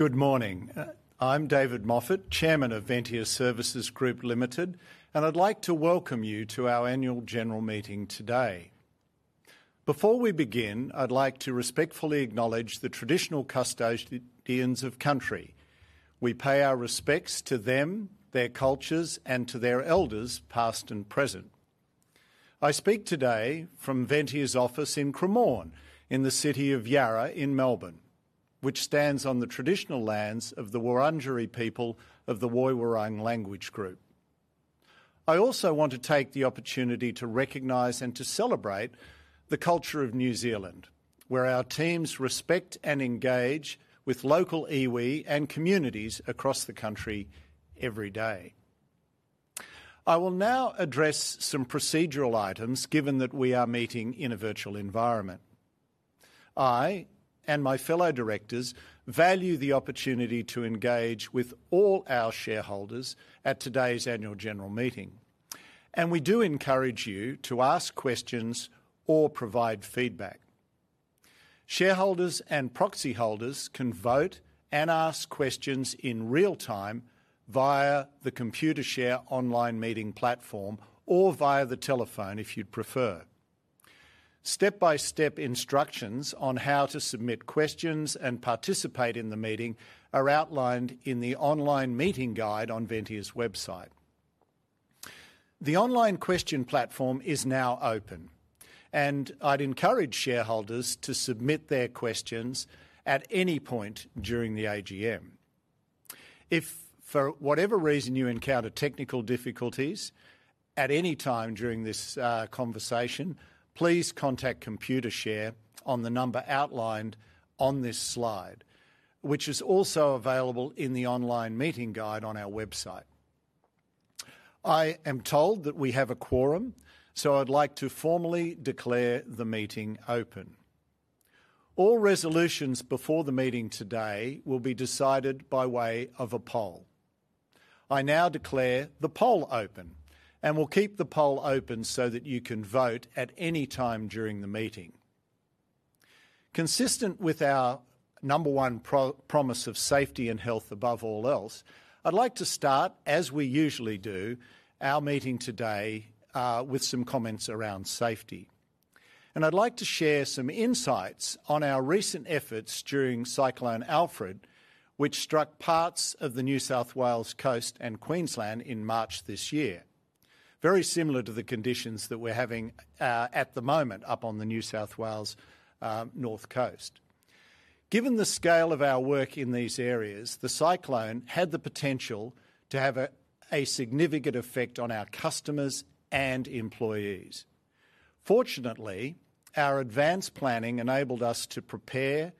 Good morning. I'm David Moffatt, Chairman of Ventia Services Group Limited, and I'd like to welcome you to our annual general meeting today. Before we begin, I'd like to respectfully acknowledge the traditional custodians of country. We pay our respects to them, their cultures, and to their elders, past and present. I speak today from Ventia's office in Cremorne, in the city of Yarra in Melbourne, which stands on the traditional lands of the Wurundjeri people of the Woi Wurrung language group. I also want to take the opportunity to recognize and to celebrate the culture of New Zealand, where our teams respect and engage with local iwi and communities across the country every day. I will now address some procedural items, given that we are meeting in a virtual environment. I and my fellow directors value the opportunity to engage with all our shareholders at today's annual general meeting, and we do encourage you to ask questions or provide feedback. Shareholders and proxy holders can vote and ask questions in real time via the Computershare online meeting platform or via the telephone if you'd prefer. Step-by-step instructions on how to submit questions and participate in the meeting are outlined in the online meeting guide on Ventia's website. The online question platform is now open, and I'd encourage shareholders to submit their questions at any point during the AGM. If, for whatever reason, you encounter technical difficulties at any time during this conversation, please contact Computershare on the number outlined on this slide, which is also available in the online meeting guide on our website. I am told that we have a quorum, so I'd like to formally declare the meeting open. All resolutions before the meeting today will be decided by way of a poll. I now declare the poll open and will keep the poll open so that you can vote at any time during the meeting. Consistent with our number one promise of safety and health above all else, I'd like to start, as we usually do, our meeting today with some comments around safety. I'd like to share some insights on our recent efforts during Cyclone Alfred, which struck parts of the New South Wales coast and Queensland in March this year, very similar to the conditions that we're having at the moment up on the New South Wales north coast. Given the scale of our work in these areas, the cyclone had the potential to have a significant effect on our customers and employees. Fortunately, our advanced planning enabled us to prepare,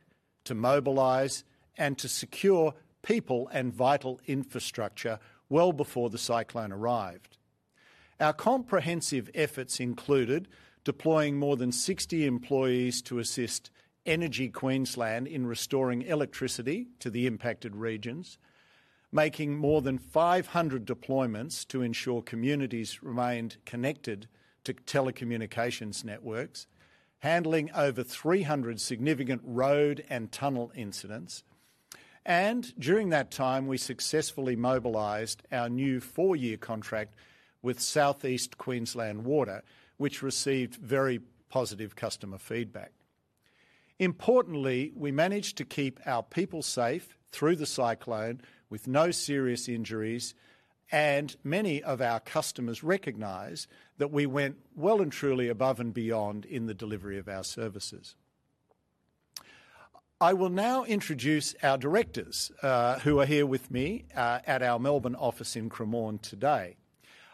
to mobilize, and to secure people and vital infrastructure well before the cyclone arrived. Our comprehensive efforts included deploying more than 60 employees to assist Energy Queensland in restoring electricity to the impacted regions, making more than 500 deployments to ensure communities remained connected to telecommunications networks, handling over 300 significant road and tunnel incidents. During that time, we successfully mobilized our new four-year contract with Southeast Queensland Water, which received very positive customer feedback. Importantly, we managed to keep our people safe through the cyclone with no serious injuries, and many of our customers recognize that we went well and truly above and beyond in the delivery of our services. I will now introduce our directors who are here with me at our Melbourne office in Cremorne today.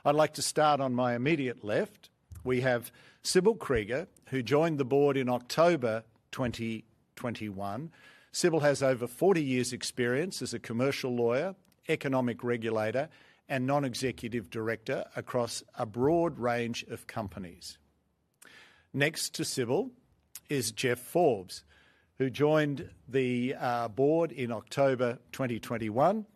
I'd like to start on my immediate left. We have Sybil Krieger, who joined the board in October 2021. Sybil has over 40 years' experience as a commercial lawyer, economic regulator, and non-executive director across a broad range of companies. Next to Sybil is Jeff Forbes, who joined the board in October 2021.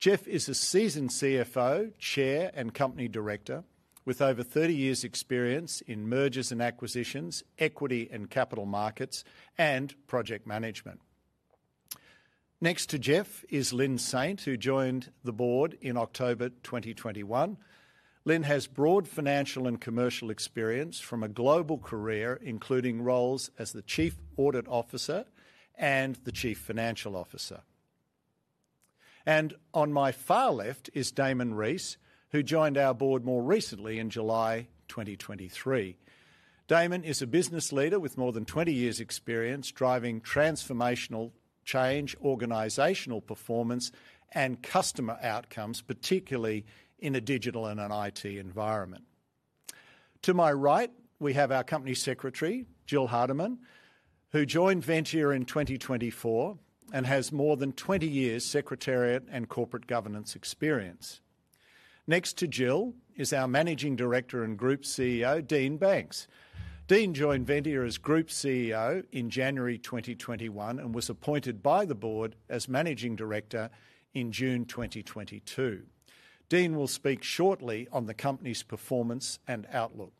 Jeff is a seasoned CFO, chair, and company director with over 30 years' experience in mergers and acquisitions, equity and capital markets, and project management. Next to Jeff is Lynne Saint, who joined the board in October 2021. Lynne has broad financial and commercial experience from a global career, including roles as the Chief Audit Officer and the Chief Financial Officer. On my far left is Damon Rees, who joined our board more recently in July 2023. Damon is a business leader with more than 20 years' experience driving transformational change, organizational performance, and customer outcomes, particularly in a digital and an IT environment. To my right, we have our Company Secretary, Jill Hardiman, who joined Ventia in 2024 and has more than 20 years' secretariat and corporate governance experience. Next to Jill is our Managing Director and Group CEO, Dean Banks. Dean joined Ventia as Group CEO in January 2021 and was appointed by the board as Managing Director in June 2022. Dean will speak shortly on the company's performance and outlook.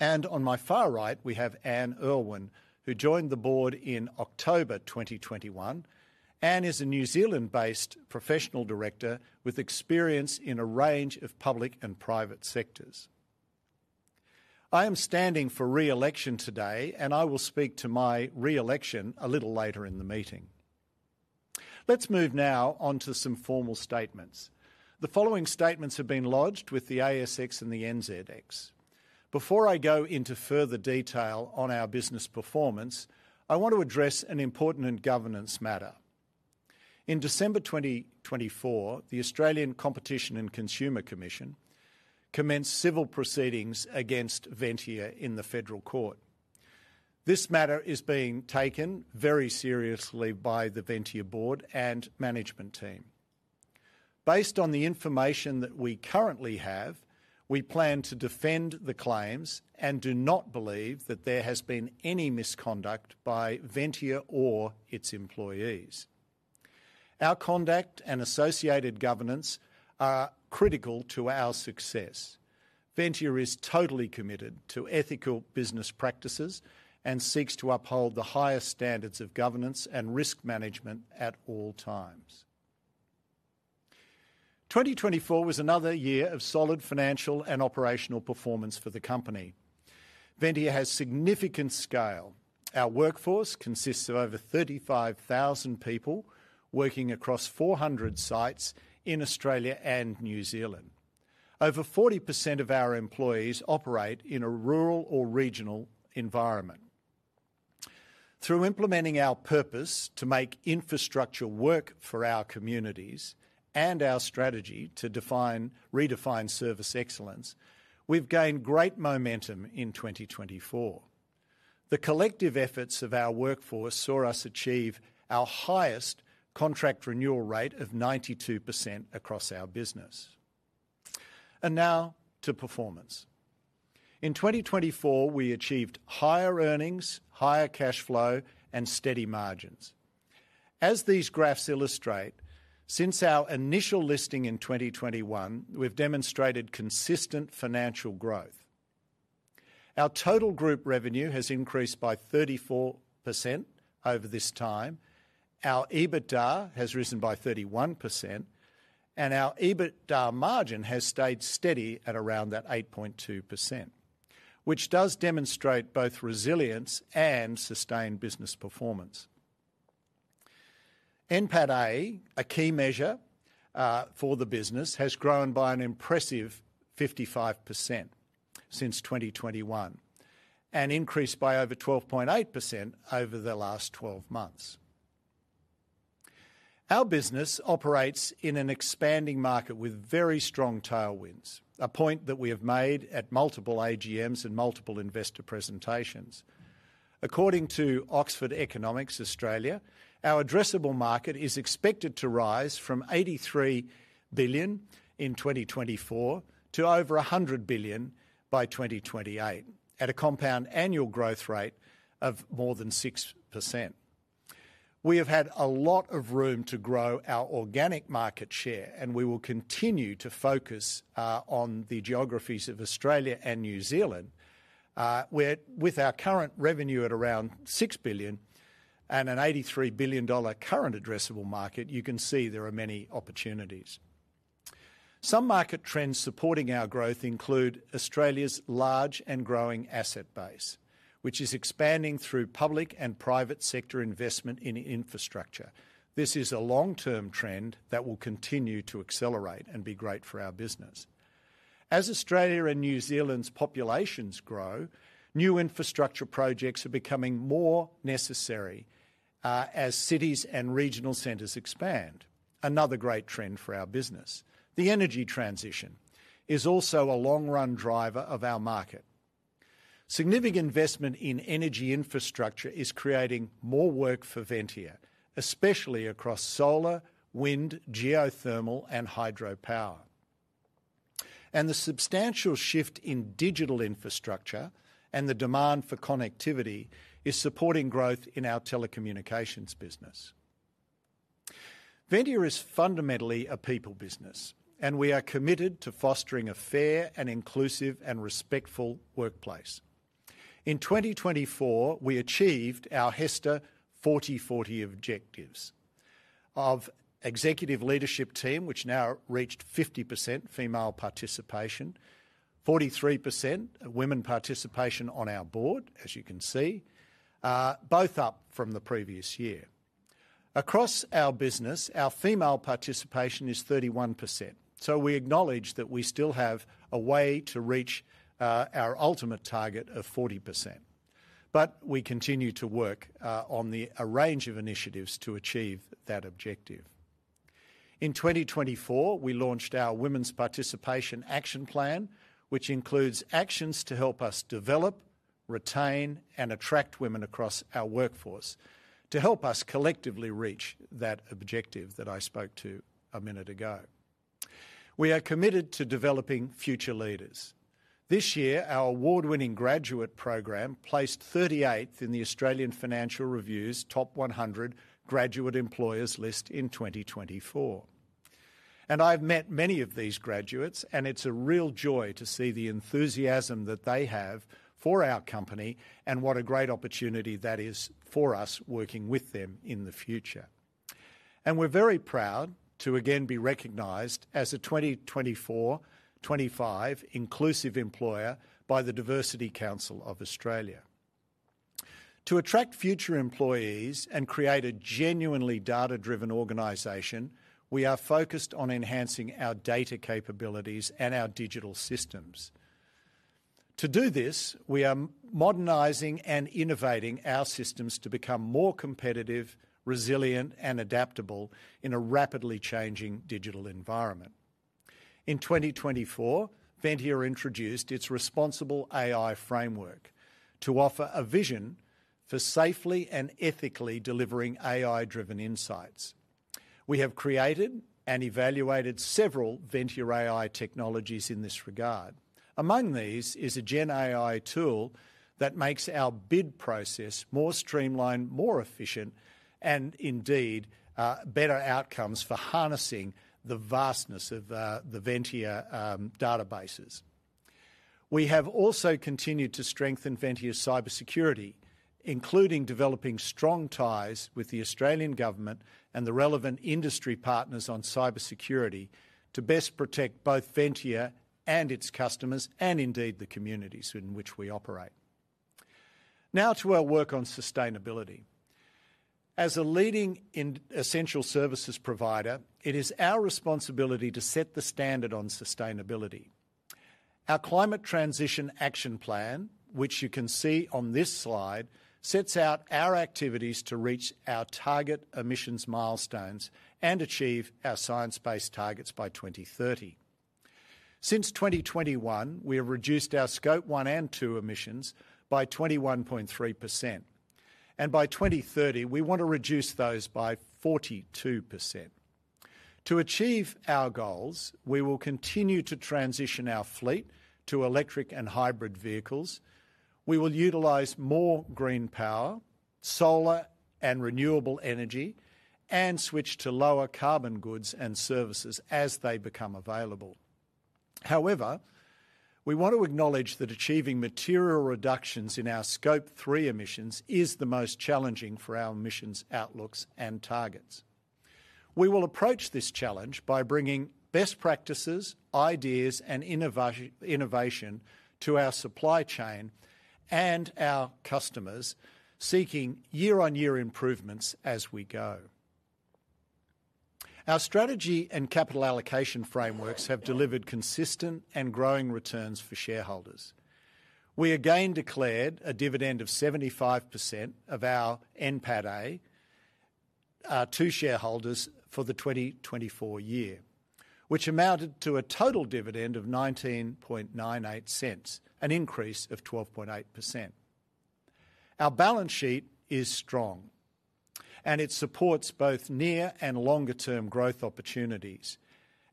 On my far right, we have Anne Irwin, who joined the board in October 2021. Anne is a New Zealand-based professional director with experience in a range of public and private sectors. I am standing for re-election today, and I will speak to my re-election a little later in the meeting. Let's move now on to some formal statements. The following statements have been lodged with the ASX and the NZX. Before I go into further detail on our business performance, I want to address an important governance matter. In December 2024, the Australian Competition and Consumer Commission commenced civil proceedings against Ventia in the Federal Court. This matter is being taken very seriously by the Ventia board and management team. Based on the information that we currently have, we plan to defend the claims and do not believe that there has been any misconduct by Ventia or its employees. Our conduct and associated governance are critical to our success. Ventia is totally committed to ethical business practices and seeks to uphold the highest standards of governance and risk management at all times. 2024 was another year of solid financial and operational performance for the company. Ventia has significant scale. Our workforce consists of over 35,000 people working across 400 sites in Australia and New Zealand. Over 40% of our employees operate in a rural or regional environment. Through implementing our purpose to make infrastructure work for our communities and our strategy to redefine service excellence, we have gained great momentum in 2024. The collective efforts of our workforce saw us achieve our highest contract renewal rate of 92% across our business. Now to performance. In 2024, we achieved higher earnings, higher cash flow, and steady margins. As these graphs illustrate, since our initial listing in 2021, we have demonstrated consistent financial growth. Our total group revenue has increased by 34% over this time. Our EBITDA has risen by 31%, and our EBITDA margin has stayed steady at around that 8.2%, which does demonstrate both resilience and sustained business performance. NPAT A, a key measure for the business, has grown by an impressive 55% since 2021 and increased by over 12.8% over the last 12 months. Our business operates in an expanding market with very strong tailwinds, a point that we have made at multiple AGMs and multiple investor presentations. According to Oxford Economics, Australia, our addressable market is expected to rise from 83 billion in 2024 to over 100 billion by 2028 at a compound annual growth rate of more than 6%. We have had a lot of room to grow our organic market share, and we will continue to focus on the geographies of Australia and New Zealand, where with our current revenue at around 6 billion and an 83 billion dollar current addressable market, you can see there are many opportunities. Some market trends supporting our growth include Australia's large and growing asset base, which is expanding through public and private sector investment in infrastructure. This is a long-term trend that will continue to accelerate and be great for our business. As Australia and New Zealand's populations grow, new infrastructure projects are becoming more necessary as cities and regional centers expand, another great trend for our business. The energy transition is also a long-run driver of our market. Significant investment in energy infrastructure is creating more work for Ventia, especially across solar, wind, geothermal, and hydropower. The substantial shift in digital infrastructure and the demand for connectivity is supporting growth in our telecommunications business. Ventia is fundamentally a people business, and we are committed to fostering a fair, inclusive, and respectful workplace. In 2024, we achieved our HESTA 40-40 objectives of executive leadership team, which now reached 50% female participation, 43% women participation on our board, as you can see, both up from the previous year. Across our business, our female participation is 31%. We acknowledge that we still have a way to reach our ultimate target of 40%. We continue to work on a range of initiatives to achieve that objective. In 2024, we launched our Women's Participation Action Plan, which includes actions to help us develop, retain, and attract women across our workforce to help us collectively reach that objective that I spoke to a minute ago. We are committed to developing future leaders. This year, our award-winning graduate program placed 38th in the Australian Financial Review's top 100 graduate employers list in 2024. I have met many of these graduates, and it is a real joy to see the enthusiasm that they have for our company and what a great opportunity that is for us working with them in the future. We are very proud to again be recognized as a 2024-2025 inclusive employer by the Diversity Council of Australia. To attract future employees and create a genuinely data-driven organization, we are focused on enhancing our data capabilities and our digital systems. To do this, we are modernizing and innovating our systems to become more competitive, resilient, and adaptable in a rapidly changing digital environment. In 2024, Ventia introduced its Responsible AI Framework to offer a vision for safely and ethically delivering AI-driven insights. We have created and evaluated several Ventia AI technologies in this regard. Among these is a GenAI tool that makes our bid process more streamlined, more efficient, and indeed better outcomes for harnessing the vastness of the Ventia databases. We have also continued to strengthen Ventia's cybersecurity, including developing strong ties with the Australian government and the relevant industry partners on cybersecurity to best protect both Ventia and its customers and indeed the communities in which we operate. Now to our work on sustainability. As a leading essential services provider, it is our responsibility to set the standard on sustainability. Our Climate Transition Action Plan, which you can see on this slide, sets out our activities to reach our target emissions milestones and achieve our science-based targets by 2030. Since 2021, we have reduced our Scope 1 and 2 emissions by 21.3%. By 2030, we want to reduce those by 42%. To achieve our goals, we will continue to transition our fleet to electric and hybrid vehicles. We will utilize more green power, solar and renewable energy, and switch to lower carbon goods and services as they become available. However, we want to acknowledge that achieving material reductions in our Scope 3 emissions is the most challenging for our emissions outlooks and targets. We will approach this challenge by bringing best practices, ideas, and innovation to our supply chain and our customers, seeking year-on-year improvements as we go. Our strategy and capital allocation frameworks have delivered consistent and growing returns for shareholders. We again declared a dividend of 75% of our NPAT A to shareholders for the 2024 year, which amounted to a total dividend of 0.1998, an increase of 12.8%. Our balance sheet is strong, and it supports both near and longer-term growth opportunities.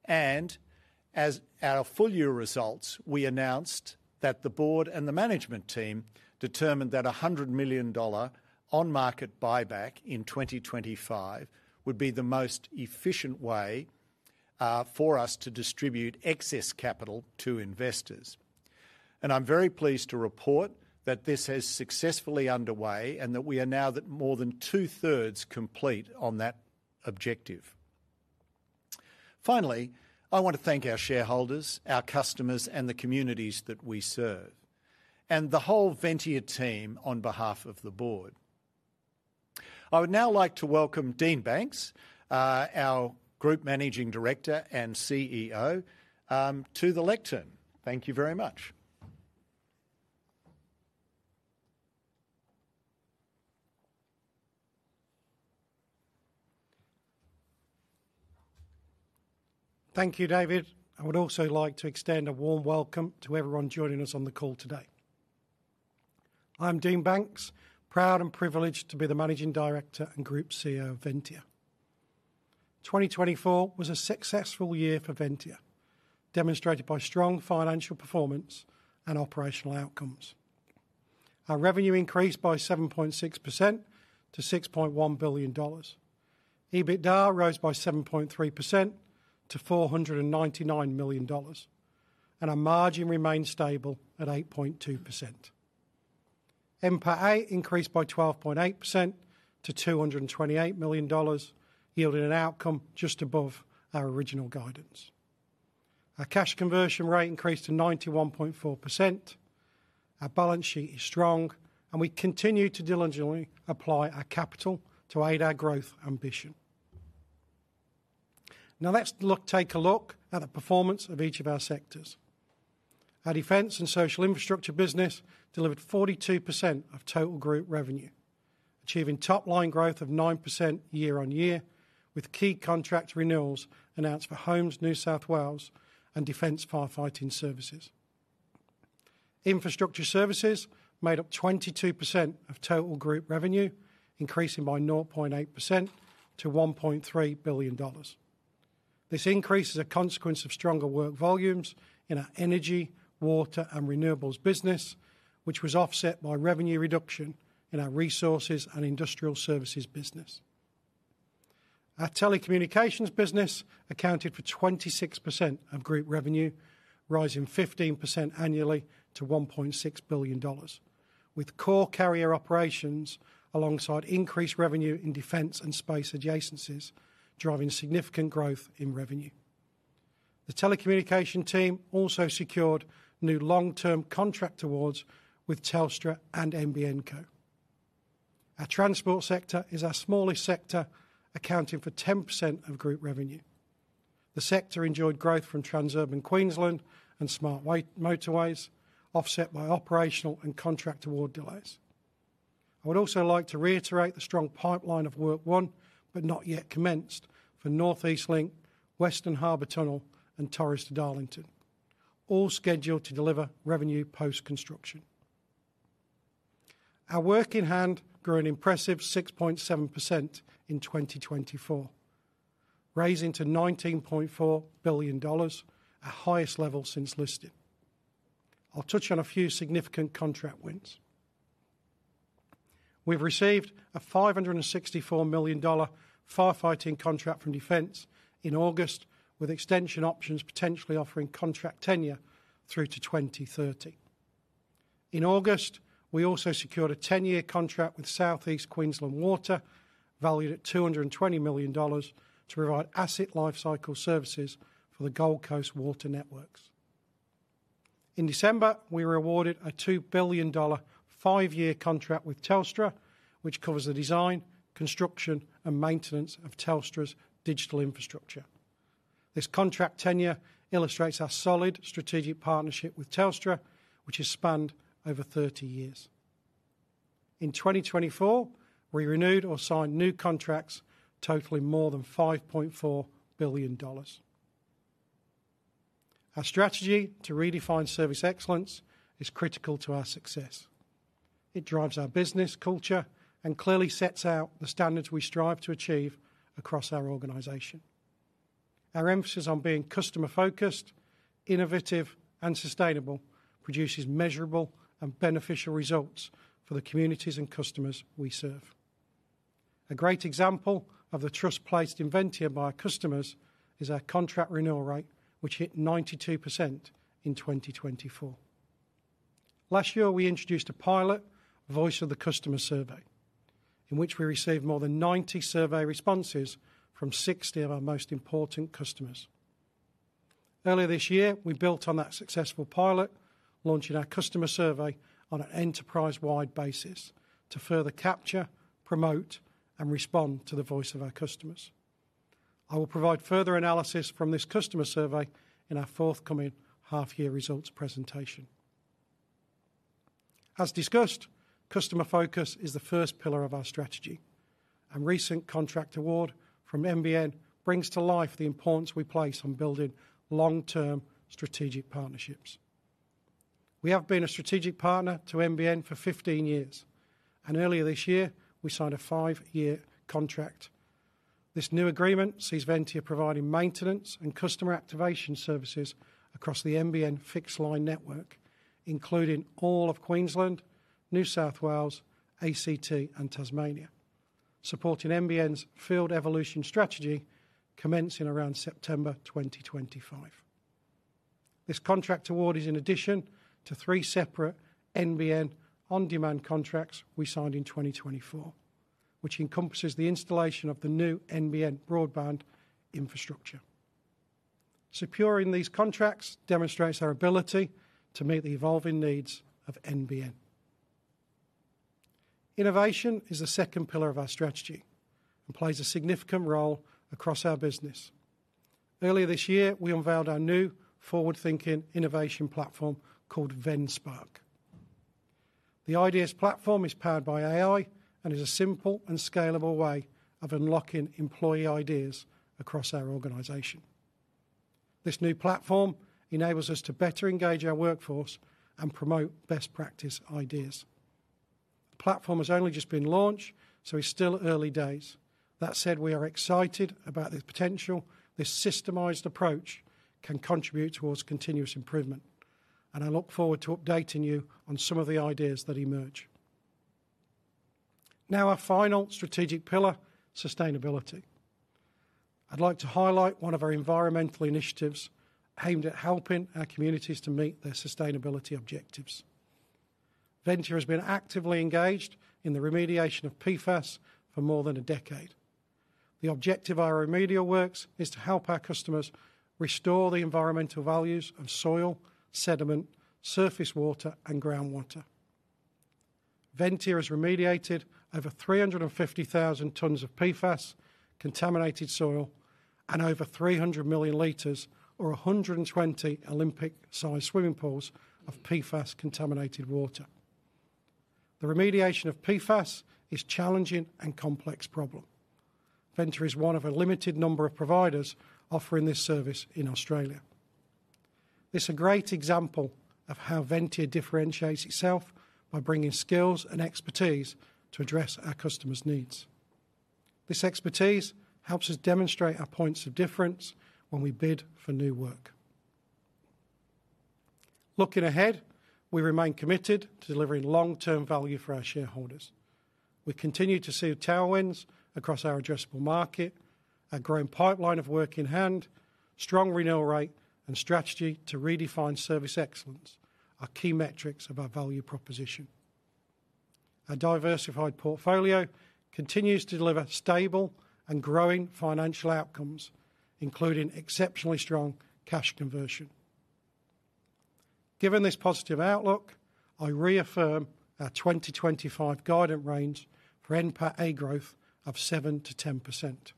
As our full year results, we announced that the board and the management team determined that 100 million dollar on-market buyback in 2025 would be the most efficient way for us to distribute excess capital to investors. I am very pleased to report that this is successfully underway and that we are now more than two-thirds complete on that objective. Finally, I want to thank our shareholders, our customers, and the communities that we serve, and the whole Ventia team on behalf of the board. I would now like to welcome Dean Banks, our Group Managing Director and CEO, to the lectern. Thank you very much. Thank you, David. I would also like to extend a warm welcome to everyone joining us on the call today. I am Dean Banks, proud and privileged to be the Managing Director and Group CEO of Ventia.2024 was a successful year for Ventia, demonstrated by strong financial performance and operational outcomes. Our revenue increased by 7.6% to 6.1 billion dollars. EBITDA rose by 7.3% to 499 million dollars, and our margin remained stable at 8.2%. NPAT A increased by 12.8% to 228 million dollars, yielding an outcome just above our original guidance. Our cash conversion rate increased to 91.4%. Our balance sheet is strong, and we continue to diligently apply our capital to aid our growth ambition. Now let's take a look at the performance of each of our sectors. Our defense and social infrastructure business delivered 42% of total group revenue, achieving top-line growth of 9% year-on-year with key contract renewals announced for Homes, New South Wales, and Defense Firefighting Services. Infrastructure services made up 22% of total group revenue, increasing by 0.8% to 1.3 billion dollars. This increase is a consequence of stronger work volumes in our energy, water, and renewables business, which was offset by revenue reduction in our resources and industrial services business. Our telecommunications business accounted for 26% of group revenue, rising 15% annually to 1.6 billion dollars, with core carrier operations alongside increased revenue in defense and space adjacencies driving significant growth in revenue. The telecommunications team also secured new long-term contract awards with Telstra and nbn. Our transport sector is our smallest sector, accounting for 10% of group revenue. The sector enjoyed growth from Transurban Queensland and Smart Motorways, offset by operational and contract award delays. I would also like to reiterate the strong pipeline of work won, but not yet commenced, for Northeast Link, Western Harbor Tunnel, and Torres to Darlington, all scheduled to deliver revenue post-construction. Our work in hand grew an impressive 6.7% in 2024, raising to 19.4 billion dollars, our highest level since listing. I'll touch on a few significant contract wins. We've received an 564 million dollar firefighting contract from Defense in August, with extension options potentially offering contract tenure through to 2030. In August, we also secured a 10-year contract with Southeast Queensland Water, valued at 220 million dollars, to provide asset lifecycle services for the Gold Coast Water Networks. In December, we were awarded an 2 billion dollar five-year contract with Telstra, which covers the design, construction, and maintenance of Telstra's digital infrastructure. This contract tenure illustrates our solid strategic partnership with Telstra, which has spanned over 30 years. In 2024, we renewed or signed new contracts totaling more than 5.4 billion dollars. Our strategy to redefine service excellence is critical to our success. It drives our business culture and clearly sets out the standards we strive to achieve across our organization. Our emphasis on being customer-focused, innovative, and sustainable produces measurable and beneficial results for the communities and customers we serve. A great example of the trust placed in Ventia by our customers is our contract renewal rate, which hit 92% in 2024. Last year, we introduced a pilot, Voice of the Customer Survey, in which we received more than 90 survey responses from 60 of our most important customers. Earlier this year, we built on that successful pilot, launching our customer survey on an enterprise-wide basis to further capture, promote, and respond to the voice of our customers. I will provide further analysis from this customer survey in our forthcoming half-year results presentation. As discussed, customer focus is the first pillar of our strategy, and recent contract award from nbn brings to life the importance we place on building long-term strategic partnerships. We have been a strategic partner to nbn for 15 years, and earlier this year, we signed a five-year contract. This new agreement sees Ventia providing maintenance and customer activation services across the nbn Fixed Line Network, including all of Queensland, New South Wales, ACT, and Tasmania, supporting nbn's field evolution strategy commencing around September 2025. This contract award is in addition to three separate nbn on-demand contracts we signed in 2024, which encompasses the installation of the new nbn broadband infrastructure. Securing these contracts demonstrates our ability to meet the evolving needs of nbn. Innovation is the second pillar of our strategy and plays a significant role across our business. Earlier this year, we unveiled our new forward-thinking innovation platform called Venspark. The ideas platform is powered by AI and is a simple and scalable way of unlocking employee ideas across our organization. This new platform enables us to better engage our workforce and promote best practice ideas. The platform has only just been launched, so it's still early days. That said, we are excited about this potential. This systemized approach can contribute towards continuous improvement, and I look forward to updating you on some of the ideas that emerge. Now, our final strategic pillar, sustainability. I'd like to highlight one of our environmental initiatives aimed at helping our communities to meet their sustainability objectives. Ventia has been actively engaged in the remediation of PFAS for more than a decade. The objective of our remediation works is to help our customers restore the environmental values of soil, sediment, surface water, and groundwater. Ventia has remediated over 350,000 tons of PFAS contaminated soil and over 300 million liter, or 120 Olympic-sized swimming pools, of PFAS contaminated water. The remediation of PFAS is a challenging and complex problem. Ventia is one of a limited number of providers offering this service in Australia. This is a great example of how Ventia differentiates itself by bringing skills and expertise to address our customers' needs. This expertise helps us demonstrate our points of difference when we bid for new work. Looking ahead, we remain committed to delivering long-term value for our shareholders. We continue to see tailwinds across our addressable market, a growing pipeline of work in hand, strong renewal rate, and strategy to redefine service excellence, our key metrics of our value proposition. Our diversified portfolio continues to deliver stable and growing financial outcomes, including exceptionally strong cash conversion. Given this positive outlook, I reaffirm our 2025 guidance range for NPAT A growth of 7%-10%.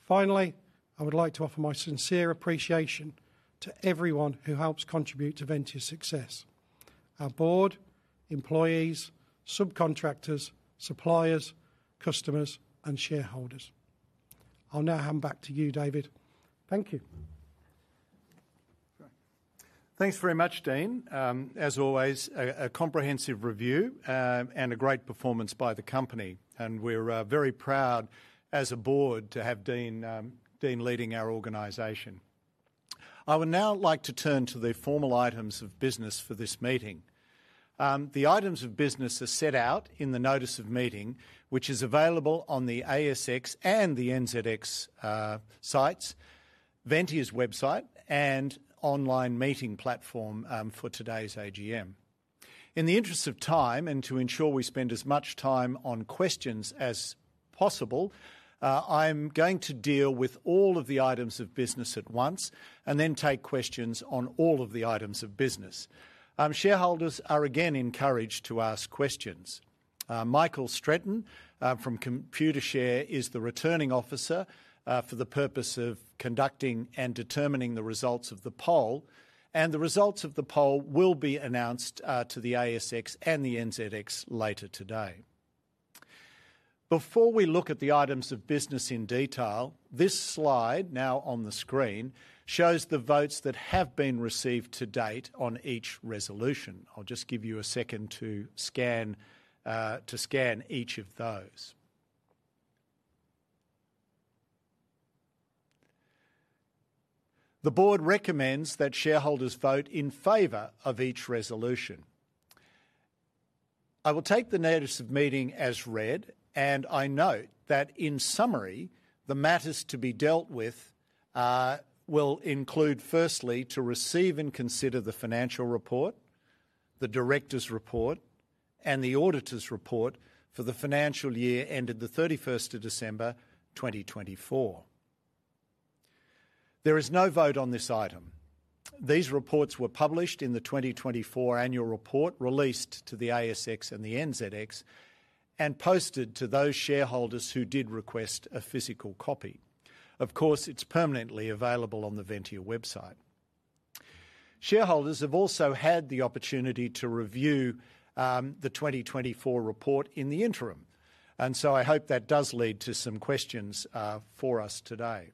Finally, I would like to offer my sincere appreciation to everyone who helps contribute to Ventia's success: our board, employees, subcontractors, suppliers, customers, and shareholders. I'll now hand back to you, David. Thank you. Thanks very much, Dean. As always, a comprehensive review and a great performance by the company. We are very proud, as a board, to have Dean leading our organization. I would now like to turn to the formal items of business for this meeting. The items of business are set out in the notice of meeting, which is available on the ASX and the NZX sites, Ventia's website, and online meeting platform for today's AGM. In the interest of time and to ensure we spend as much time on questions as possible, I'm going to deal with all of the items of business at once and then take questions on all of the items of business. Shareholders are again encouraged to ask questions. Michael Stretton from Computershare is the returning officer for the purpose of conducting and determining the results of the poll. The results of the poll will be announced to the ASX and the NZX later today. Before we look at the items of business in detail, this slide now on the screen shows the votes that have been received to date on each resolution. I'll just give you a second to scan each of those. The board recommends that shareholders vote in favor of each resolution. I will take the notice of meeting as read, and I note that in summary, the matters to be dealt with will include, firstly, to receive and consider the financial report, the Director's report, and the auditor's report for the financial year ended the 31st of December 2024. There is no vote on this item. These reports were published in the 2024 annual report released to the ASX and the NZX and posted to those shareholders who did request a physical copy. Of course, it's permanently available on the Ventia website. Shareholders have also had the opportunity to review the 2024 report in the interim, and I hope that does lead to some questions for us today.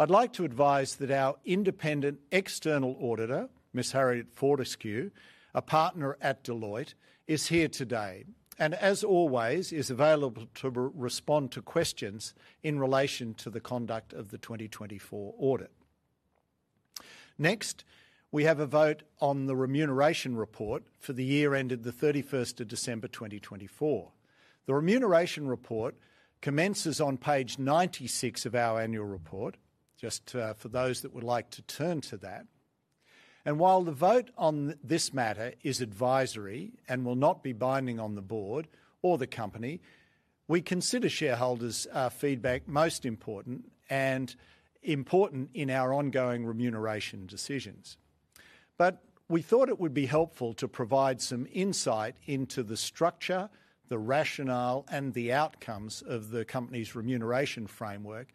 I'd like to advise that our independent external auditor, Ms. Harriet Fortescue, a partner at Deloitte, is here today and, as always, is available to respond to questions in relation to the conduct of the 2024 audit. Next, we have a vote on the remuneration report for the year ended the 31st of December 2024. The remuneration report commences on page 96 of our annual report, just for those that would like to turn to that. While the vote on this matter is advisory and will not be binding on the board or the company, we consider shareholders' feedback most important and important in our ongoing remuneration decisions. We thought it would be helpful to provide some insight into the structure, the rationale, and the outcomes of the company's remuneration framework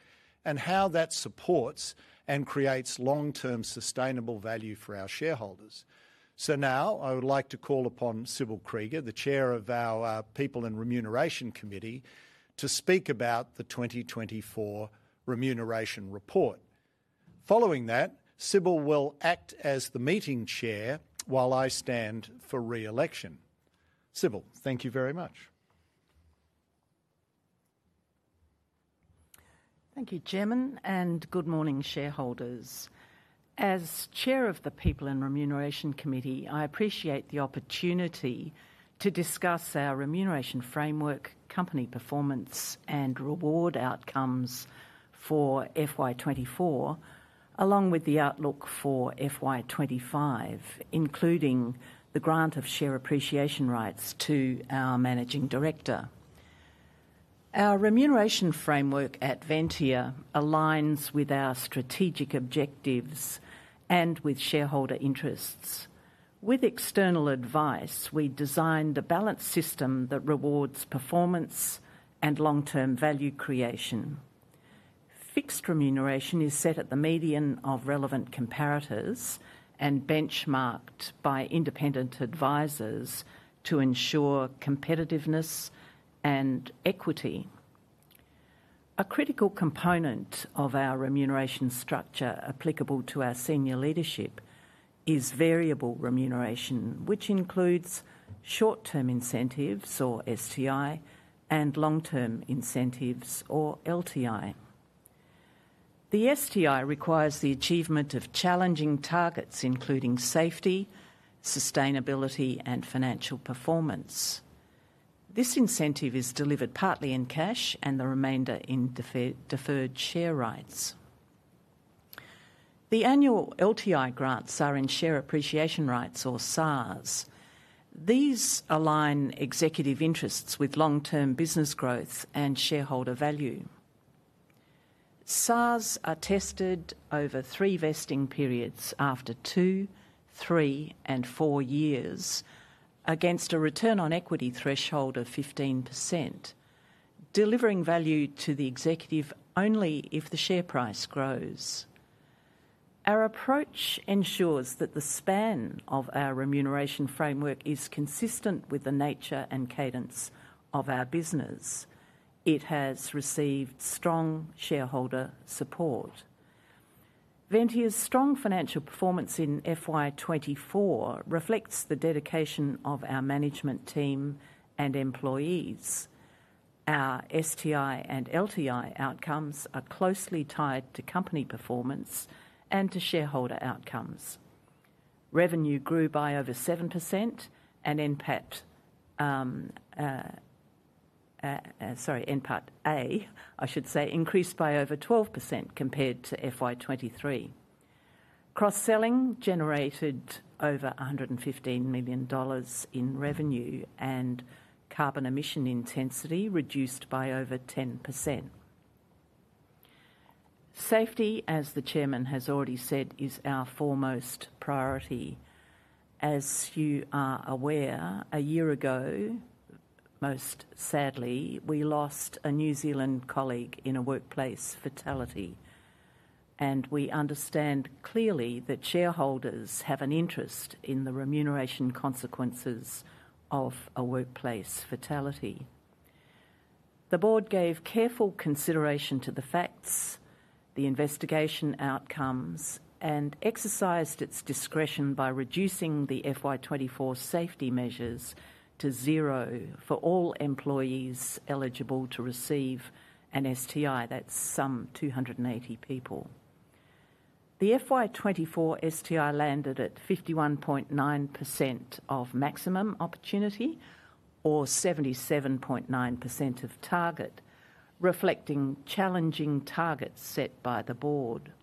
and how that supports and creates long-term sustainable value for our shareholders. Now I would like to call upon Sybil Krieger, the Chair of our People and Remuneration Committee, to speak about the 2024 remuneration report. Following that, Sybil will act as the meeting Chair while I stand for re-election. Sybil, thank you very much. Thank you, Chairman, and good morning, shareholders. As Chair of the People and Remuneration Committee, I appreciate the opportunity to discuss our remuneration framework, company performance, and reward outcomes for FY 2024, along with the outlook for FY 2025, including the grant of share appreciation rights to our Managing Director. Our remuneration framework at Ventia aligns with our strategic objectives and with shareholder interests. With external advice, we designed a balanced system that rewards performance and long-term value creation. Fixed remuneration is set at the median of relevant comparators and benchmarked by independent advisors to ensure competitiveness and equity. A critical component of our remuneration structure applicable to our senior leadership is variable remuneration, which includes short-term incentives, or STI, and long-term incentives, or LTI. The STI requires the achievement of challenging targets, including safety, sustainability, and financial performance. This incentive is delivered partly in cash and the remainder in deferred share rights. The annual LTI grants are in share appreciation rights, or SARs. These align executive interests with long-term business growth and shareholder value. SARs are tested over three vesting periods after two, three, and four years against a return on equity threshold of 15%, delivering value to the executive only if the share price grows. Our approach ensures that the span of our remuneration framework is consistent with the nature and cadence of our business. It has received strong shareholder support. Ventia's strong financial performance in 2024 reflects the dedication of our management team and employees. Our STI and LTI outcomes are closely tied to company performance and to shareholder outcomes. Revenue grew by over 7%, and NPAT A, I should say, increased by over 12% compared to FY 2023. Cross-selling generated over 115 million dollars in revenue, and carbon emission intensity reduced by over 10%. Safety, as the Chairman has already said, is our foremost priority. As you are aware, a year ago, most sadly, we lost a New Zealand colleague in a workplace fatality. We understand clearly that shareholders have an interest in the remuneration consequences of a workplace fatality. The Board gave careful consideration to the facts, the investigation outcomes, and exercised its discretion by reducing the FY 2024 safety measures to zero for all employees eligible to receive an STI. That is some 280 people. The FY 2024 STI landed at 51.9% of maximum opportunity, or 77.9% of target, reflecting challenging targets set by the Board.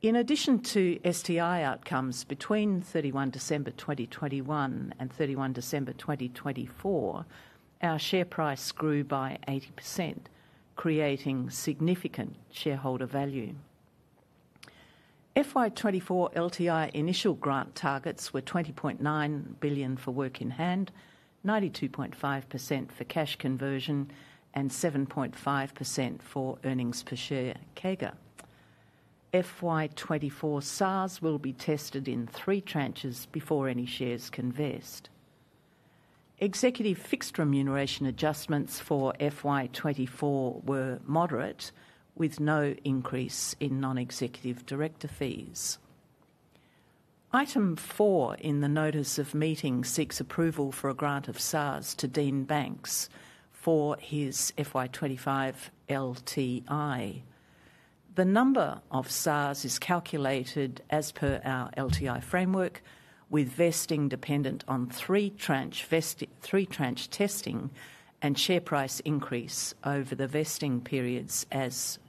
In addition to STI outcomes between 31 December 2021 and 31 December 2024, our share price grew by 80%, creating significant shareholder value. FY24 LTI initial grant targets were 20.9 billion for work in hand, 92.5% for cash conversion, and 7.5% for earnings per share CAGR. FY24 SARs will be tested in three tranches before any shares can vest. Executive fixed remuneration adjustments for FY 2024 were moderate, with no increase in non-executive director fees. Item four in the notice of meeting seeks approval for a grant of SARs to Dean Banks for his FY 2025 LTI. The number of SARs is calculated as per our LTI framework, with vesting dependent on three-tranche testing and share price increase over the vesting periods as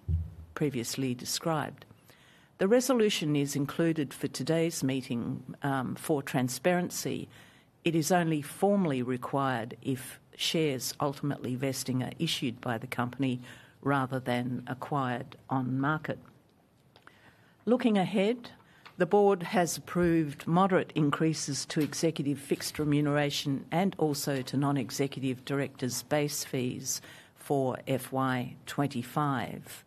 previously described. The resolution is included for today's meeting for transparency. It is only formally required if shares ultimately vesting are issued by the company rather than acquired on market. Looking ahead, the board has approved moderate increases to executive fixed remuneration and also to non-executive directors' base fees for FY 2025.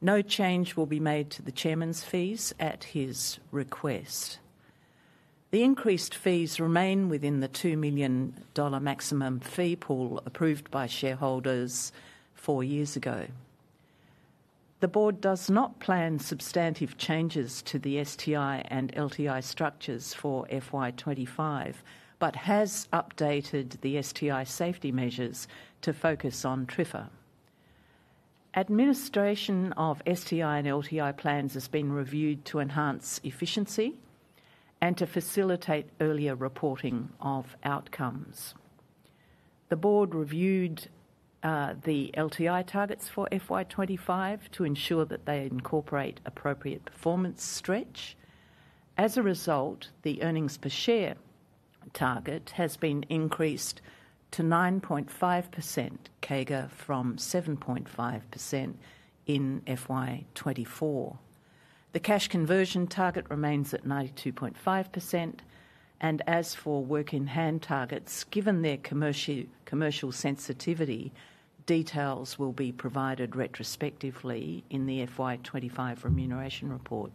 No change will be made to the Chairman's fees at his request. The increased fees remain within the 2 million dollar maximum fee pool approved by shareholders four years ago. The board does not plan substantive changes to the STI and LTI structures for FY 2025 but has updated the STI safety measures to focus on TRIFA. Administration of STI and LTI plans has been reviewed to enhance efficiency and to facilitate earlier reporting of outcomes. The board reviewed the LTI targets for FY 2025 to ensure that they incorporate appropriate performance stretch. As a result, the earnings per share target has been increased to 9.5% CAGR from 7.5% in FY 2024. The cash conversion target remains at 92.5%. As for work in hand targets, given their commercial sensitivity, details will be provided retrospectively in the FY 2025 remuneration report.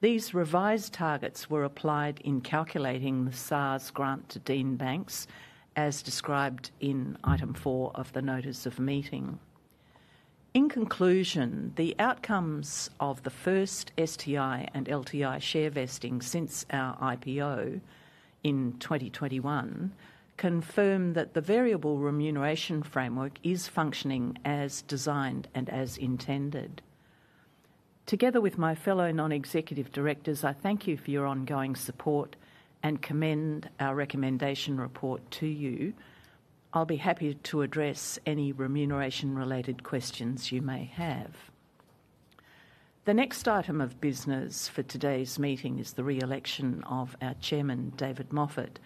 These revised targets were applied in calculating the SARs grant to Dean Banks, as described in item four of the notice of meeting. In conclusion, the outcomes of the first STI and LTI share vesting since our IPO in 2021 confirm that the variable remuneration framework is functioning as designed and as intended. Together with my fellow non-executive directors, I thank you for your ongoing support and commend our recommendation report to you. I'll be happy to address any remuneration-related questions you may have. The next item of business for today's meeting is the re-election of our Chairman, David Moffatt.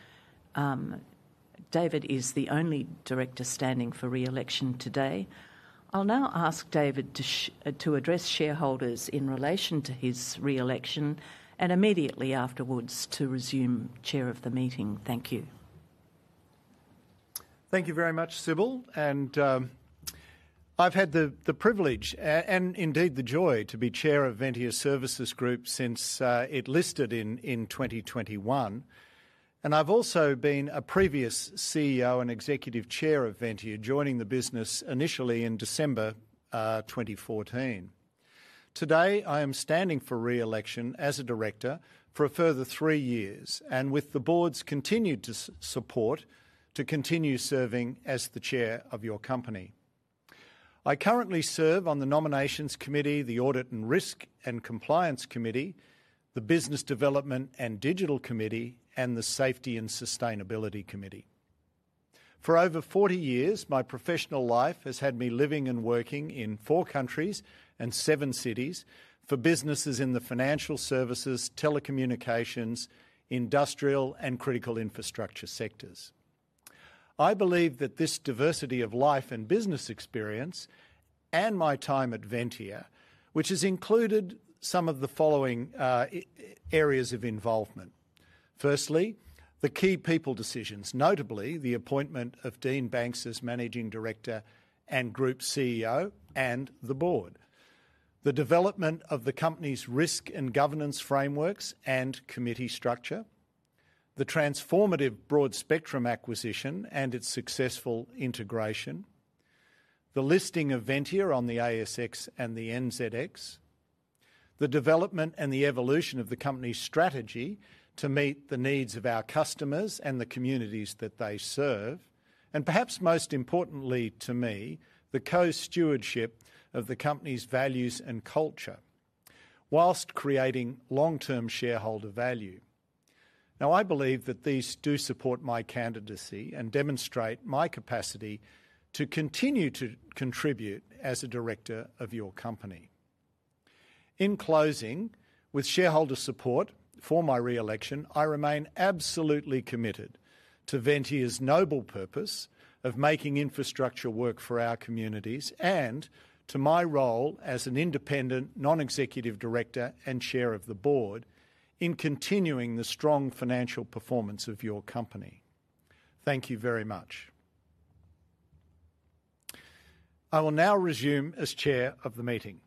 David is the only director standing for re-election today. I'll now ask David to address shareholders in relation to his re-election and immediately afterwards to resume chair of the meeting. Thank you. Thank you very much, Sybil. I have had the privilege and indeed the joy to be chair of Ventia Services Group since it listed in 2021. I have also been a previous CEO and executive chair of Ventia, joining the business initially in December 2014. Today, I am standing for re-election as a director for a further three years and with the board's continued support to continue serving as the chair of your company. I currently serve on the nominations committee, the audit and risk and compliance committee, the business development and digital committee, and the safety and sustainability committee. For over 40 years, my professional life has had me living and working in four countries and seven cities for businesses in the financial services, telecommunications, industrial, and critical infrastructure sectors. I believe that this diversity of life and business experience and my time at Ventia, which has included some of the following areas of involvement: firstly, the key people decisions, notably the appointment of Dean Banks as Managing Director and Group CEO and the board; the development of the company's risk and governance frameworks and committee structure; the transformative broad spectrum acquisition and its successful integration; the listing of Ventia on the ASX and the NZX; the development and the evolution of the company's strategy to meet the needs of our customers and the communities that they serve; and perhaps most importantly to me, the co-stewardship of the company's values and culture whilst creating long-term shareholder value. Now, I believe that these do support my candidacy and demonstrate my capacity to continue to contribute as a director of your company. In closing, with shareholder support for my re-election, I remain absolutely committed to Ventia's noble purpose of making infrastructure work for our communities and to my role as an independent non-executive director and Chair of the Board in continuing the strong financial performance of your company. Thank you very much. I will now resume as Chair of the meeting.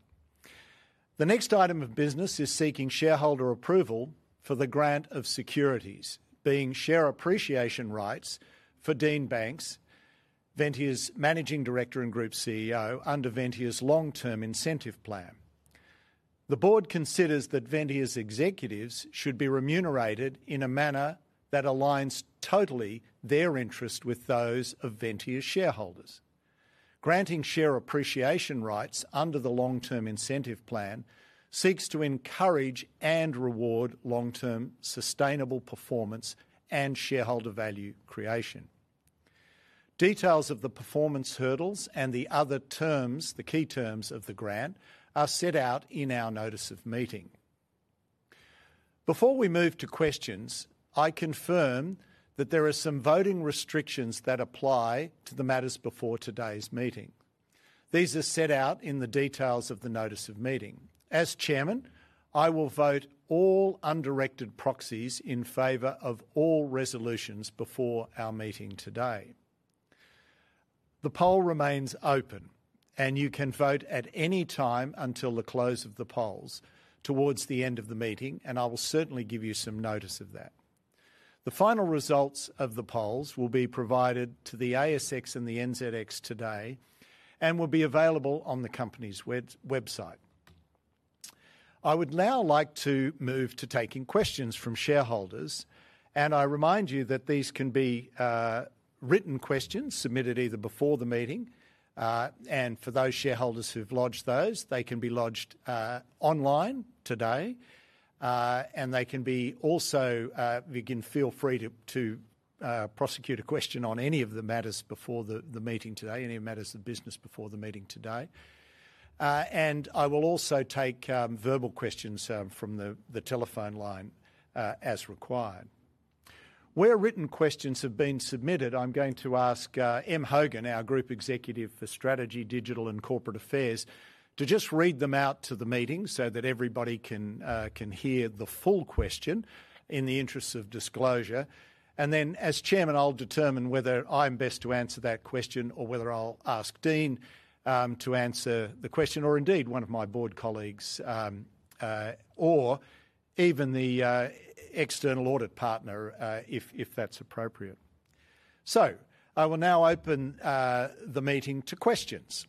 The next item of business is seeking shareholder approval for the grant of securities, being share appreciation rights for Dean Banks, Ventia's Managing Director and Group CEO under Ventia's long-term incentive plan. The Board considers that Ventia's executives should be remunerated in a manner that aligns totally their interest with those of Ventia's shareholders. Granting share appreciation rights under the long-term incentive plan seeks to encourage and reward long-term sustainable performance and shareholder value creation. Details of the performance hurdles and the other terms, the key terms of the grant, are set out in our notice of meeting. Before we move to questions, I confirm that there are some voting restrictions that apply to the matters before today's meeting. These are set out in the details of the notice of meeting. As Chairman, I will vote all undirected proxies in favor of all resolutions before our meeting today. The poll remains open, and you can vote at any time until the close of the polls towards the end of the meeting, and I will certainly give you some notice of that. The final results of the polls will be provided to the ASX and the NZX today and will be available on the company's website. I would now like to move to taking questions from shareholders, and I remind you that these can be written questions submitted either before the meeting. For those shareholders who've lodged those, they can be lodged online today, and they can also feel free to prosecute a question on any of the matters before the meeting today, any matters of business before the meeting today. I will also take verbal questions from the telephone line as required. Where written questions have been submitted, I'm going to ask Em Hogan, our Group Executive for Strategy, Digital, and Corporate Affairs, to just read them out to the meeting so that everybody can hear the full question in the interests of disclosure. As chairman, I'll determine whether I'm best to answer that question or whether I'll ask Dean to answer the question or indeed one of my board colleagues or even the external audit partner if that's appropriate. I will now open the meeting to questions.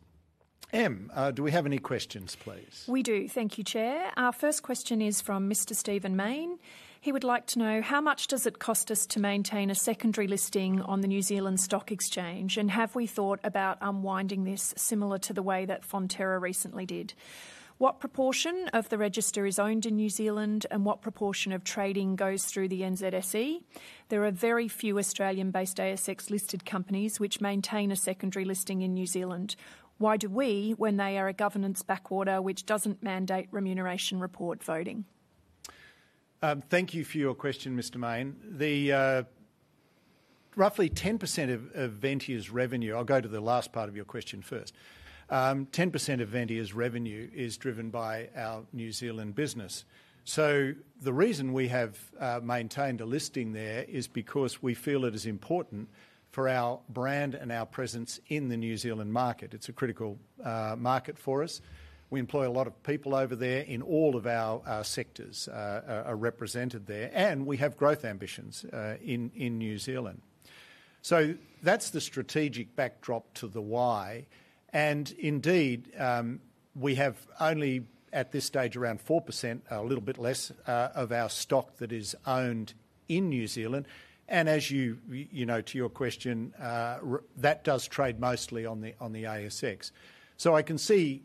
Em, do we have any questions, please? We do. Thank you, Chair. Our first question is from Mr. Stephen Maine. He would like to know, how much does it cost us to maintain a secondary listing on the New Zealand Stock Exchange, and have we thought about unwinding this similar to the way that Fonterra recently did? What proportion of the register is owned in New Zealand, and what proportion of trading goes through the NZX? There are very few Australian-based ASX-listed companies which maintain a secondary listing in New Zealand. Why do we, when they are a governance backwater, which does not mandate remuneration report voting? Thank you for your question, Mr. Maine. Roughly 10% of Ventia's revenue—I'll go to the last part of your question first. 10% of Ventia's revenue is driven by our New Zealand business. The reason we have maintained a listing there is because we feel it is important for our brand and our presence in the New Zealand market. It is a critical market for us. We employ a lot of people over there, all of our sectors are represented there, and we have growth ambitions in New Zealand. That is the strategic backdrop to the why. Indeed, we have only at this stage around 4%, a little bit less, of our stock that is owned in New Zealand. As you know, to your question, that does trade mostly on the ASX. I can see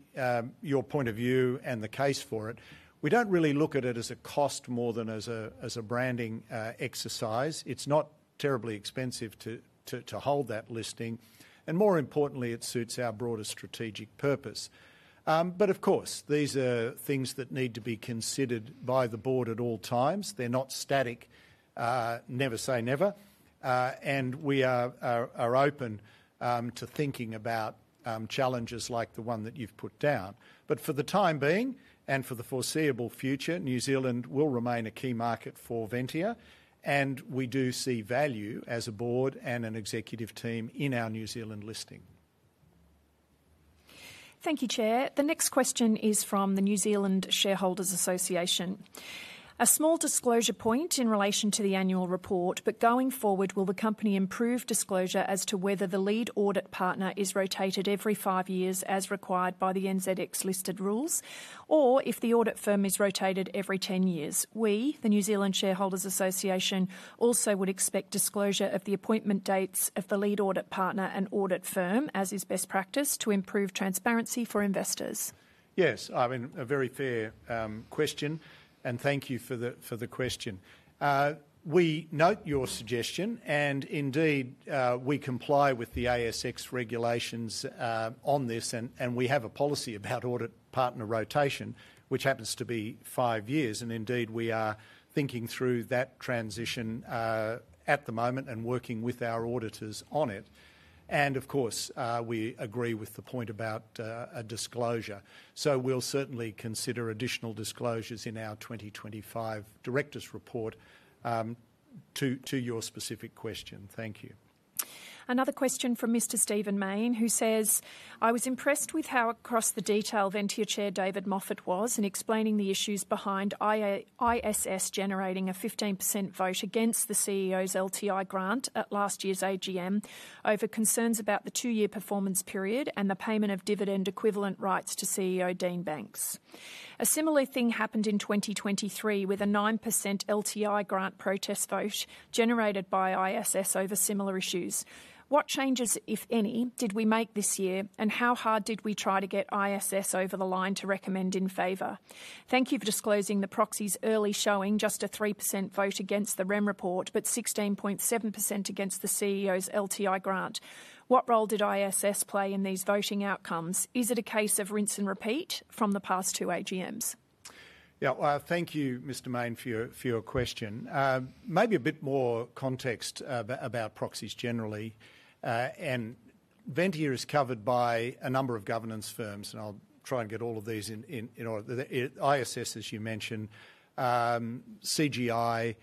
your point of view and the case for it. We don't really look at it as a cost more than as a branding exercise. It's not terribly expensive to hold that listing. More importantly, it suits our broader strategic purpose. Of course, these are things that need to be considered by the board at all times. They're not static, never say never. We are open to thinking about challenges like the one that you've put down. For the time being and for the foreseeable future, New Zealand will remain a key market for Ventia, and we do see value as a board and an executive team in our New Zealand listing. Thank you, Chair. The next question is from the New Zealand Shareholders Association. A small disclosure point in relation to the annual report, but going forward, will the company improve disclosure as to whether the lead audit partner is rotated every five years as required by the NZX-listed rules or if the audit firm is rotated every 10 years? We, the New Zealand Shareholders Association, also would expect disclosure of the appointment dates of the lead audit partner and audit firm, as is best practice, to improve transparency for investors. Yes. I mean, a very fair question, and thank you for the question. We note your suggestion, and indeed, we comply with the ASX regulations on this, and we have a policy about audit partner rotation, which happens to be five years. Indeed, we are thinking through that transition at the moment and working with our auditors on it. Of course, we agree with the point about a disclosure. We will certainly consider additional disclosures in our 2025 Directors Report to your specific question. Thank you. Another question from Mr. Stephen Maine, who says, "I was impressed with how across the detail Ventia Chair David Moffatt was in explaining the issues behind ISS generating a 15% vote against the CEO's LTI grant at last year's AGM over concerns about the two-year performance period and the payment of dividend-equivalent rights to CEO Dean Banks. A similar thing happened in 2023 with a 9% LTI grant protest vote generated by ISS over similar issues. What changes, if any, did we make this year, and how hard did we try to get ISS over the line to recommend in favor? Thank you for disclosing the proxies early showing just a 3% vote against the REM report, but 16.7% against the CEO's LTI grant. What role did ISS play in these voting outcomes? Is it a case of rinse and repeat from the past two AGMs? Yeah. Thank you, Mr. Maine, for your question. Maybe a bit more context about proxies generally. Ventia is covered by a number of governance firms, and I'll try and get all of these in order. ISS, as you mentioned, CGI,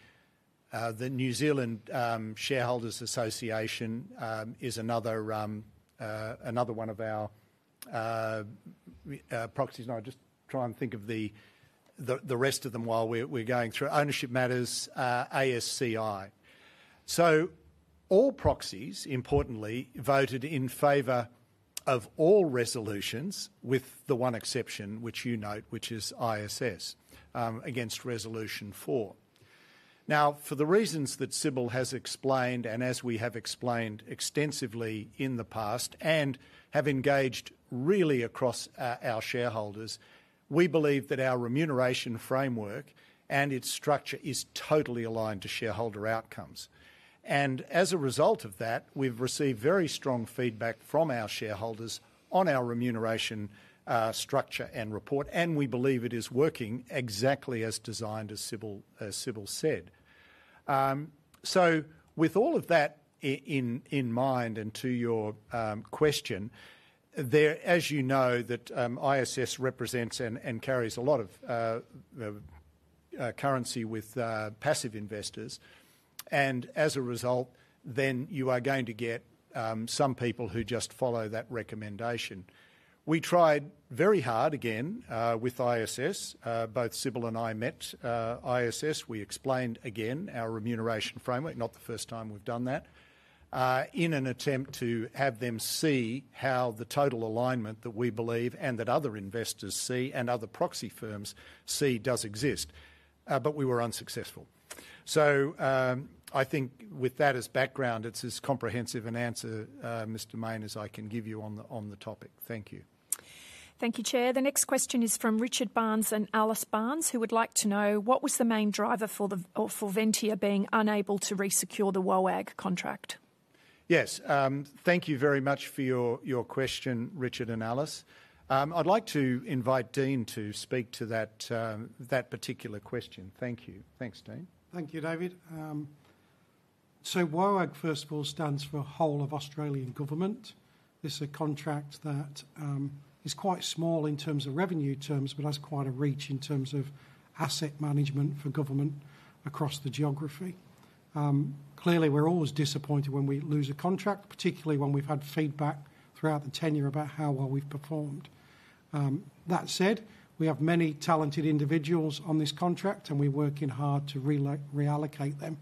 the New Zealand Shareholders Association is another one of our proxies. I'll just try and think of the rest of them while we're going through. Ownership Matters, ASCI. All proxies, importantly, voted in favor of all resolutions with the one exception, which you note, which is ISS against resolution four. For the reasons that Sybil has explained and as we have explained extensively in the past and have engaged really across our shareholders, we believe that our remuneration framework and its structure is totally aligned to shareholder outcomes. As a result of that, we've received very strong feedback from our shareholders on our remuneration structure and report, and we believe it is working exactly as designed, as Sybil said. With all of that in mind and to your question, as you know, ISS represents and carries a lot of currency with passive investors. As a result, you are going to get some people who just follow that recommendation. We tried very hard, again, with ISS. Both Sybil and I met ISS. We explained again our remuneration framework, not the first time we've done that, in an attempt to have them see how the total alignment that we believe and that other investors see and other proxy firms see does exist. We were unsuccessful. I think with that as background, it's as comprehensive an answer, Mr. Maine, as I can give you on the topic. Thank you. Thank you, Chair. The next question is from Richard Barnes and Alice Barnes, who would like to know, what was the main driver for Ventia being unable to resecure the WOAG contract? Yes. Thank you very much for your question, Richard and Alice. I'd like to invite Dean to speak to that particular question. Thank you. Thanks, Dean. Thank you, David. So WOAG, first of all, stands for Whole of Australian Government. This is a contract that is quite small in terms of revenue terms, but has quite a reach in terms of asset management for government across the geography. Clearly, we're always disappointed when we lose a contract, particularly when we've had feedback throughout the tenure about how well we've performed. That said, we have many talented individuals on this contract, and we're working hard to reallocate them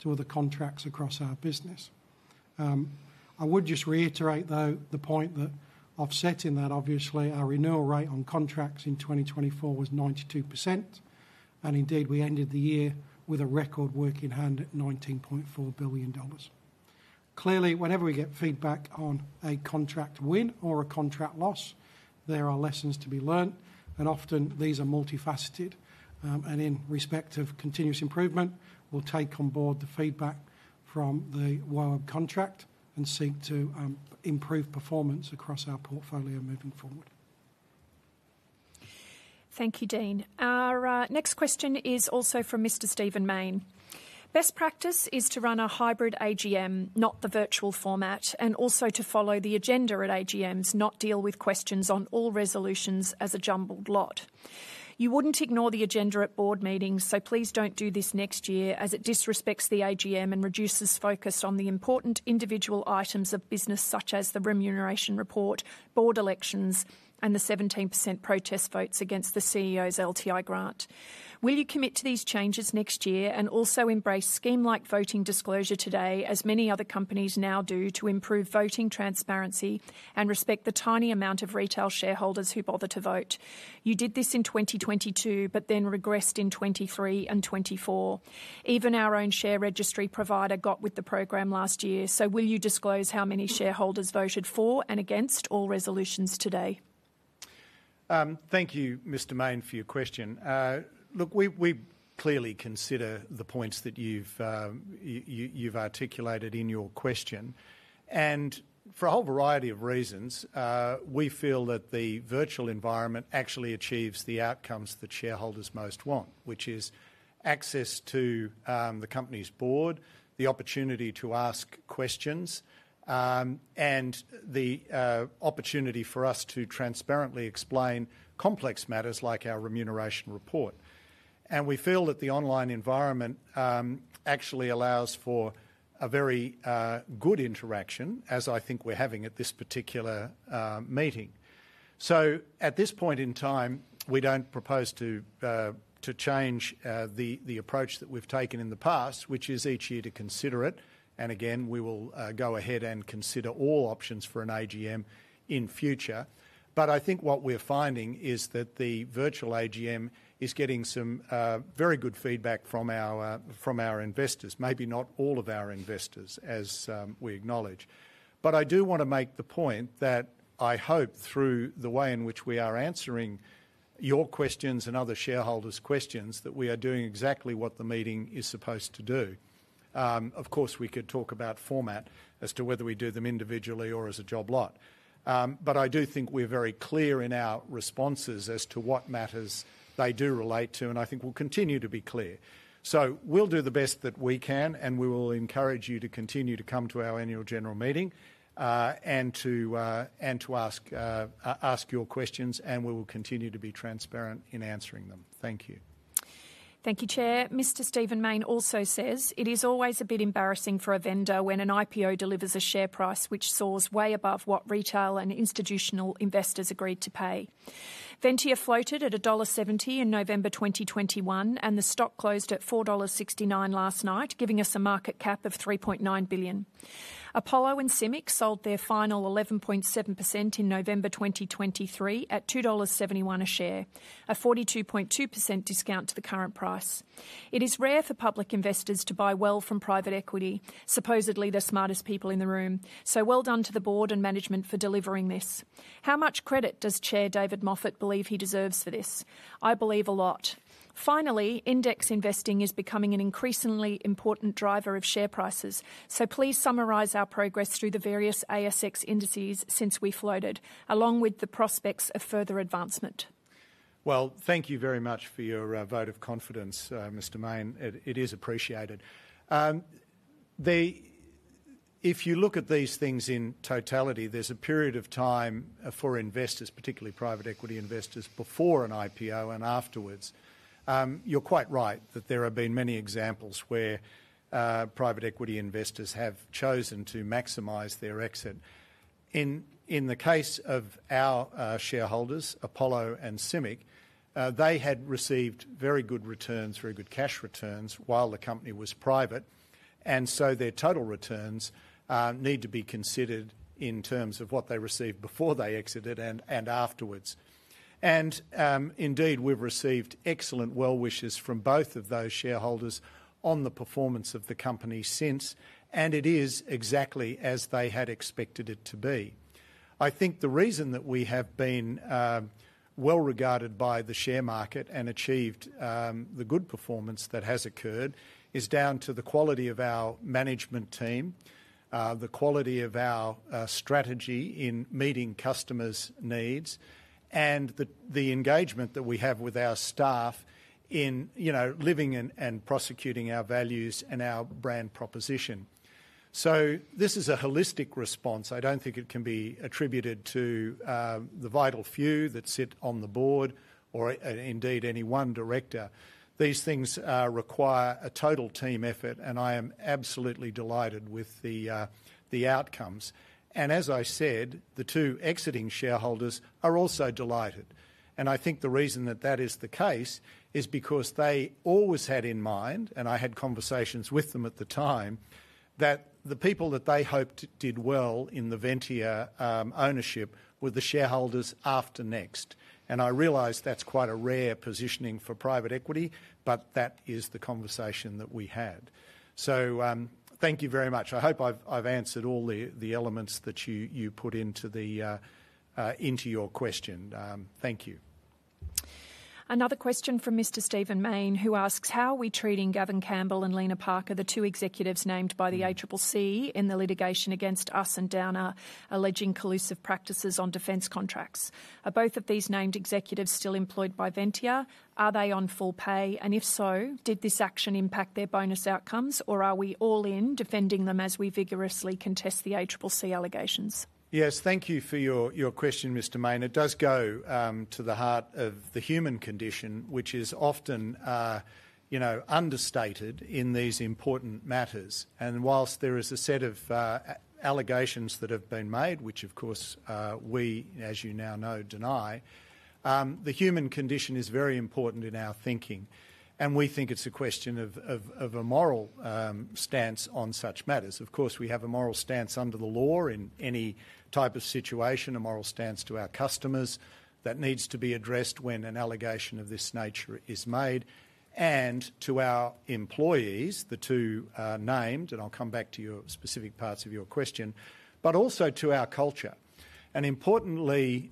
to other contracts across our business. I would just reiterate, though, the point that I've said in that, obviously, our renewal rate on contracts in 2024 was 92%. And indeed, we ended the year with a record work in hand at 19.4 billion dollars. Clearly, whenever we get feedback on a contract win or a contract loss, there are lessons to be learned. And often, these are multifaceted. In respect of continuous improvement, we'll take on board the feedback from the WOAG contract and seek to improve performance across our portfolio moving forward. Thank you, Dean. Our next question is also from Mr. Stephen Maine. Best practice is to run a hybrid AGM, not the virtual format, and also to follow the agenda at AGMs, not deal with questions on all resolutions as a jumbled lot. You wouldn't ignore the agenda at board meetings, so please don't do this next year as it disrespects the AGM and reduces focus on the important individual items of business such as the remuneration report, board elections, and the 17% protest votes against the CEO's LTI grant. Will you commit to these changes next year and also embrace scheme-like voting disclosure today, as many other companies now do, to improve voting transparency and respect the tiny amount of retail shareholders who bother to vote? You did this in 2022, but then regressed in 2023 and 2024. Even our own share registry provider got with the program last year. Will you disclose how many shareholders voted for and against all resolutions today? Thank you, Mr. Maine, for your question. Look, we clearly consider the points that you've articulated in your question. For a whole variety of reasons, we feel that the virtual environment actually achieves the outcomes that shareholders most want, which is access to the company's board, the opportunity to ask questions, and the opportunity for us to transparently explain complex matters like our remuneration report. We feel that the online environment actually allows for a very good interaction, as I think we're having at this particular meeting. At this point in time, we don't propose to change the approach that we've taken in the past, which is each year to consider it. Again, we will go ahead and consider all options for an AGM in future. I think what we're finding is that the virtual AGM is getting some very good feedback from our investors, maybe not all of our investors, as we acknowledge. I do want to make the point that I hope through the way in which we are answering your questions and other shareholders' questions, that we are doing exactly what the meeting is supposed to do. Of course, we could talk about format as to whether we do them individually or as a job lot. I do think we're very clear in our responses as to what matters they do relate to, and I think we'll continue to be clear. We will do the best that we can, and we will encourage you to continue to come to our annual general meeting and to ask your questions, and we will continue to be transparent in answering them. Thank you. Thank you, Chair. Mr. Stephen Maine also says, "It is always a bit embarrassing for a vendor when an IPO delivers a share price which soars way above what retail and institutional investors agreed to pay." Ventia floated at dollar 1.70 in November 2021, and the stock closed at 4.69 dollars last night, giving us a market cap of 3.9 billion. Apollo and CIMIC sold their final 11.7% in November 2023 at 2.71 dollars a share, a 42.2% discount to the current price. It is rare for public investors to buy well from private equity, supposedly the smartest people in the room. So well done to the board and management for delivering this. How much credit does Chair David Moffatt believe he deserves for this? I believe a lot. Finally, index investing is becoming an increasingly important driver of share prices. Please summarise our progress through the various ASX indices since we floated, along with the prospects of further advancement. Thank you very much for your vote of confidence, Mr. Maine. It is appreciated. If you look at these things in totality, there is a period of time for investors, particularly private equity investors, before an IPO and afterwards. You're quite right that there have been many examples where private equity investors have chosen to maximize their exit. In the case of our shareholders, Apollo and CIMIC, they had received very good returns, very good cash returns while the company was private. Their total returns need to be considered in terms of what they received before they exited and afterwards. Indeed, we've received excellent well-wishes from both of those shareholders on the performance of the company since, and it is exactly as they had expected it to be. I think the reason that we have been well regarded by the share market and achieved the good performance that has occurred is down to the quality of our management team, the quality of our strategy in meeting customers' needs, and the engagement that we have with our staff in living and prosecuting our values and our brand proposition. This is a holistic response. I don't think it can be attributed to the vital few that sit on the board or any one director. These things require a total team effort, and I am absolutely delighted with the outcomes. As I said, the two exiting shareholders are also delighted. I think the reason that that is the case is because they always had in mind, and I had conversations with them at the time, that the people that they hoped did well in the Ventia ownership were the shareholders after next. I realize that's quite a rare positioning for private equity, but that is the conversation that we had. Thank you very much. I hope I've answered all the elements that you put into your question. Thank you. Another question from Mr. Stephen Maine, who asks, "How are we treating Gavin Campbell and Lena Parker, the two executives named by the ACCC in the litigation against us and Downer, alleging collusive practices on defence contracts? Are both of these named executives still employed by Ventia? Are they on full pay? Yes. Thank you for your question, Mr. Maine. It does go to the heart of the human condition, which is often understated in these important matters. Whilst there is a set of allegations that have been made, which of course we, as you now know, deny, the human condition is very important in our thinking. We think it is a question of a moral stance on such matters. Of course, we have a moral stance under the law in any type of situation, a moral stance to our customers that needs to be addressed when an allegation of this nature is made, and to our employees, the two named, and I will come back to your specific parts of your question, but also to our culture. Importantly,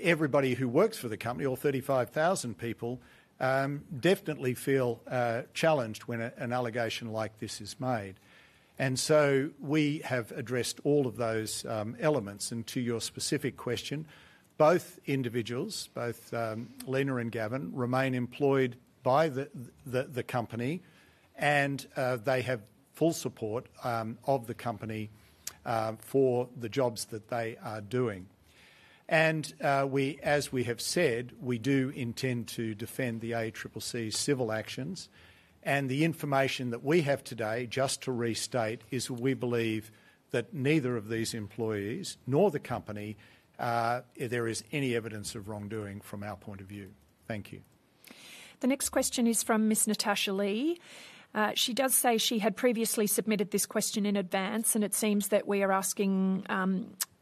everybody who works for the company, all 35,000 people, definitely feel challenged when an allegation like this is made. We have addressed all of those elements. To your specific question, both individuals, both Lena and Gavin, remain employed by the company, and they have full support of the company for the jobs that they are doing. As we have said, we do intend to defend the ACCC's civil actions. The information that we have today, just to restate, is we believe that neither of these employees nor the company, there is any evidence of wrongdoing from our point of view. Thank you. The next question is from Ms. Natasha Lee. She does say she had previously submitted this question in advance, and it seems that we are asking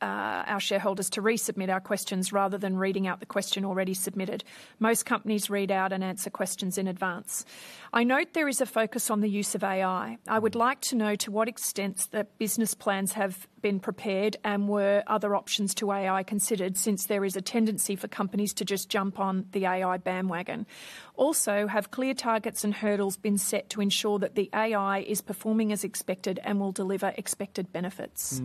our shareholders to resubmit our questions rather than reading out the question already submitted. Most companies read out and answer questions in advance. I note there is a focus on the use of AI. I would like to know to what extent that business plans have been prepared and were other options to AI considered since there is a tendency for companies to just jump on the AI bandwagon. Also, have clear targets and hurdles been set to ensure that the AI is performing as expected and will deliver expected benefits?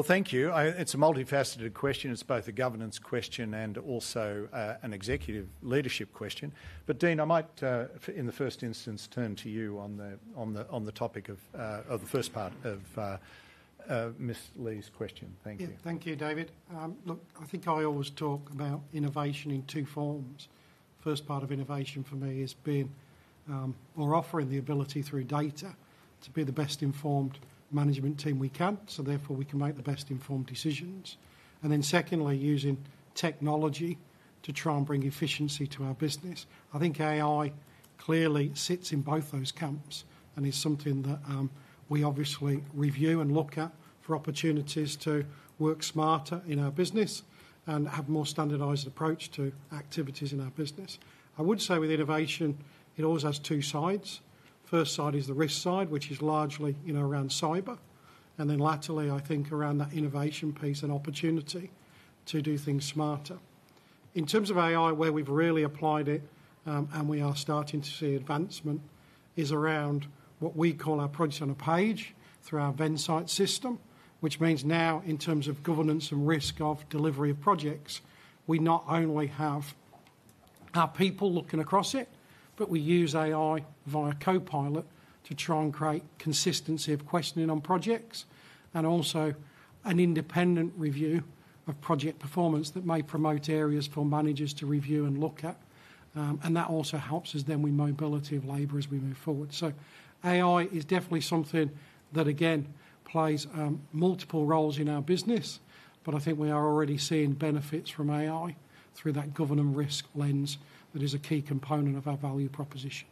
Thank you. It is a multifaceted question. It is both a governance question and also an executive leadership question. Dean, I might, in the first instance, turn to you on the topic of the first part of Ms. Lee's question. Thank you. Thank you, David. Look, I think I always talk about innovation in two forms. First part of innovation for me has been offering the ability through data to be the best-informed management team we can, so therefore we can make the best-informed decisions. Secondly, using technology to try and bring efficiency to our business. I think AI clearly sits in both those camps and is something that we obviously review and look at for opportunities to work smarter in our business and have a more standardized approach to activities in our business. I would say with innovation, it always has two sides. First side is the risk side, which is largely around cyber. Laterally, I think around that innovation piece and opportunity to do things smarter. In terms of AI, where we've really applied it and we are starting to see advancement is around what we call our projects on a page through our Vensight system, which means now in terms of governance and risk of delivery of projects, we not only have our people looking across it, but we use AI via Copilot to try and create consistency of questioning on projects and also an independent review of project performance that may promote areas for managers to review and look at. That also helps us then with mobility of labor as we move forward. AI is definitely something that, again, plays multiple roles in our business, but I think we are already seeing benefits from AI through that governance risk lens that is a key component of our value proposition.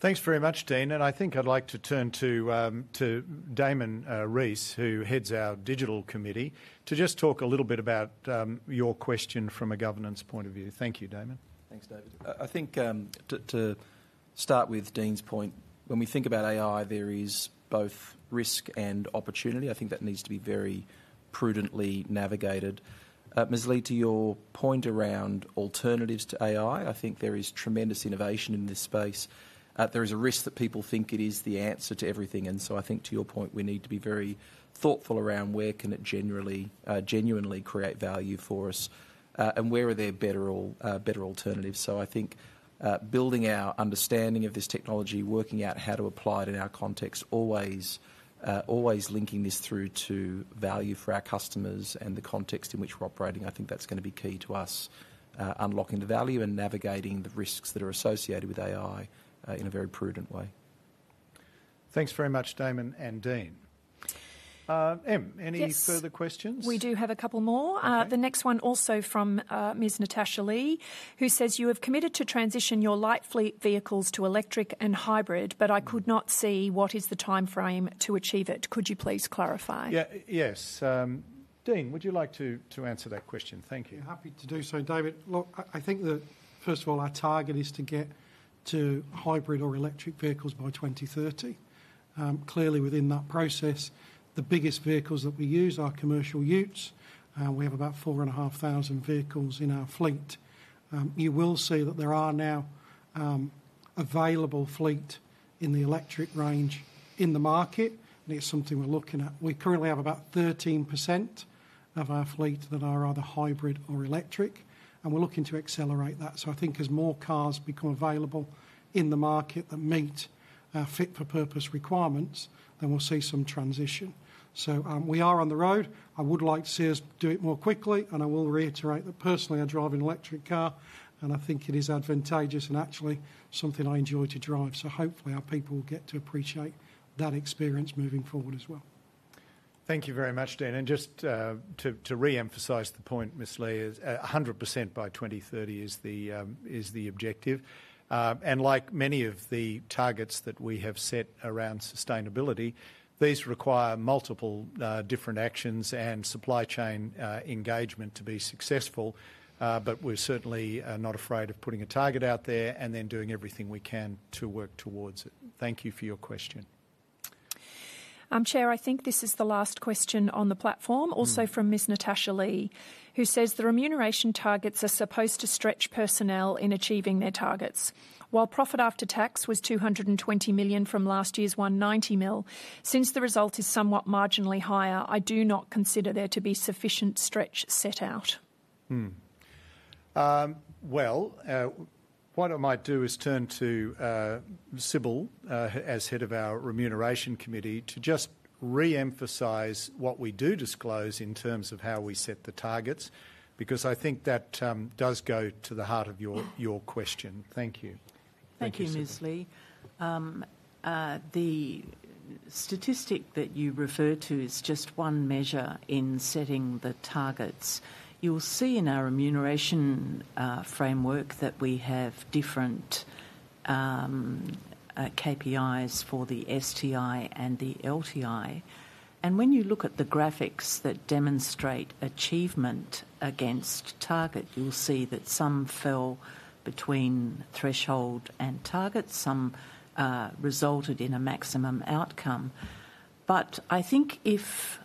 Thanks very much, Dean. I think I'd like to turn to Damon Rees, who heads our digital committee, to just talk a little bit about your question from a governance point of view. Thank you, Damon. Thanks, David. I think to start with Dean's point, when we think about AI, there is both risk and opportunity. I think that needs to be very prudently navigated. Ms. Lee, to your point around alternatives to AI, I think there is tremendous innovation in this space. There is a risk that people think it is the answer to everything. I think to your point, we need to be very thoughtful around where can it genuinely create value for us and where are there better alternatives. I think building our understanding of this technology, working out how to apply it in our context, always linking this through to value for our customers and the context in which we're operating, I think that's going to be key to us unlocking the value and navigating the risks that are associated with AI in a very prudent way. Thanks very much, Damon and Dean. Em, any further questions? We do have a couple more. The next one also from Ms. Natasha Lee, who says, "You have committed to transition your light fleet vehicles to electric and hybrid, but I could not see what is the time frame to achieve it. Could you please clarify?" Yes. Dean, would you like to answer that question? Thank you. Happy to do so. David, look, I think that, first of all, our target is to get to hybrid or electric vehicles by 2030. Clearly, within that process, the biggest vehicles that we use are commercial utes. We have about 4,500 vehicles in our fleet. You will see that there are now available fleet in the electric range in the market, and it's something we're looking at. We currently have about 13% of our fleet that are either hybrid or electric, and we're looking to accelerate that. I think as more cars become available in the market that meet fit-for-purpose requirements, then we'll see some transition. We are on the road. I would like to see us do it more quickly, and I will reiterate that personally, I drive an electric car, and I think it is advantageous and actually something I enjoy to drive. Hopefully, our people will get to appreciate that experience moving forward as well. Thank you very much, Dean. Just to re-emphasize the point, Ms. Lee, 100% by 2030 is the objective. Like many of the targets that we have set around sustainability, these require multiple different actions and supply chain engagement to be successful. We are certainly not afraid of putting a target out there and then doing everything we can to work towards it. Thank you for your question. Chair, I think this is the last question on the platform, also from Ms. Natasha Lee, who says, "The remuneration targets are supposed to stretch personnel in achieving their targets. While profit after tax was 220 million from last year's 190 million, since the result is somewhat marginally higher, I do not consider there to be sufficient stretch set out. What I might do is turn to Sybil as head of our Remuneration Committee to just re-emphasize what we do disclose in terms of how we set the targets, because I think that does go to the heart of your question. Thank you. Thank you, Ms. Lee. The statistic that you refer to is just one measure in setting the targets. You'll see in our remuneration framework that we have different KPIs for the STI and the LTI. When you look at the graphics that demonstrate achievement against target, you'll see that some fell between threshold and target, some resulted in a maximum outcome. But I think if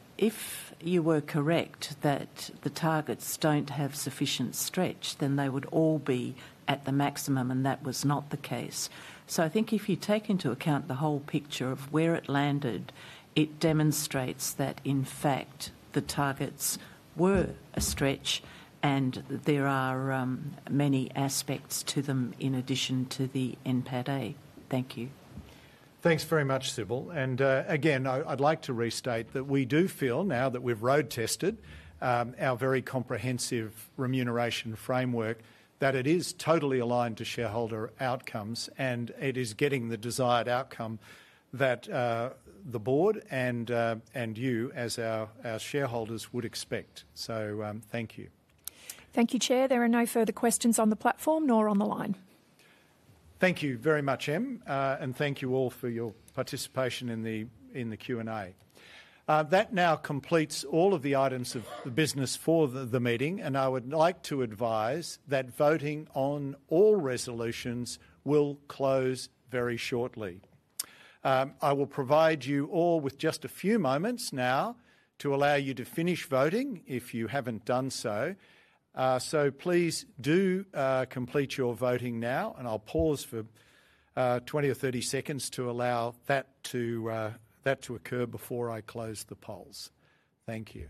you were correct that the targets don't have sufficient stretch, then they would all be at the maximum, and that was not the case. I think if you take into account the whole picture of where it landed, it demonstrates that, in fact, the targets were a stretch, and there are many aspects to them in addition to the NPAT A. Thank you. Thanks very much, Sybil. I would like to restate that we do feel, now that we've road-tested our very comprehensive remuneration framework, that it is totally aligned to shareholder outcomes, and it is getting the desired outcome that the board and you as our shareholders would expect. Thank you. Thank you, Chair. There are no further questions on the platform nor on the line. Thank you very much, Em, and thank you all for your participation in the Q&A. That now completes all of the items of the business for the meeting, and I would like to advise that voting on all resolutions will close very shortly. I will provide you all with just a few moments now to allow you to finish voting if you haven't done so. Please do complete your voting now, and I'll pause for 20 or 30 seconds to allow that to occur before I close the polls. Thank you.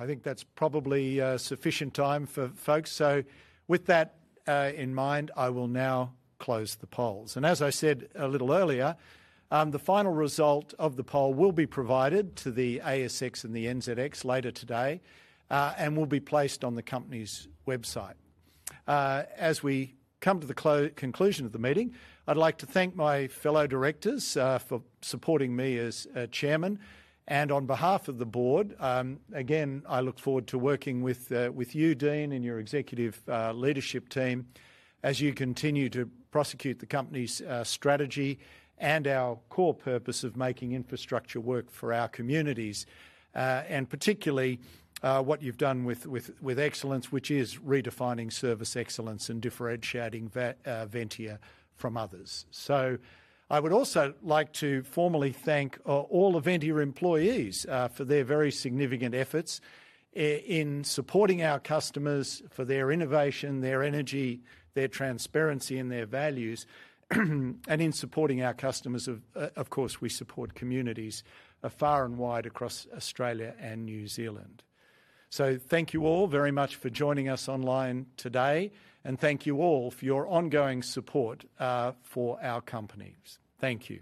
I think that's probably sufficient time for folks. With that in mind, I will now close the polls. As I said a little earlier, the final result of the poll will be provided to the ASX and the NZX later today and will be placed on the company's website. As we come to the conclusion of the meeting, I'd like to thank my fellow directors for supporting me as Chairman and on behalf of the board. Again, I look forward to working with you, Dean, and your executive leadership team as you continue to prosecute the company's strategy and our core purpose of making infrastructure work for our communities, and particularly what you've done with Excellence, which is redefining service excellence and differentiating Ventia from others. I would also like to formally thank all of Ventia's employees for their very significant efforts in supporting our customers, for their innovation, their energy, their transparency, and their values, and in supporting our customers. Of course, we support communities far and wide across Australia and New Zealand. Thank you all very much for joining us online today, and thank you all for your ongoing support for our companies. Thank you.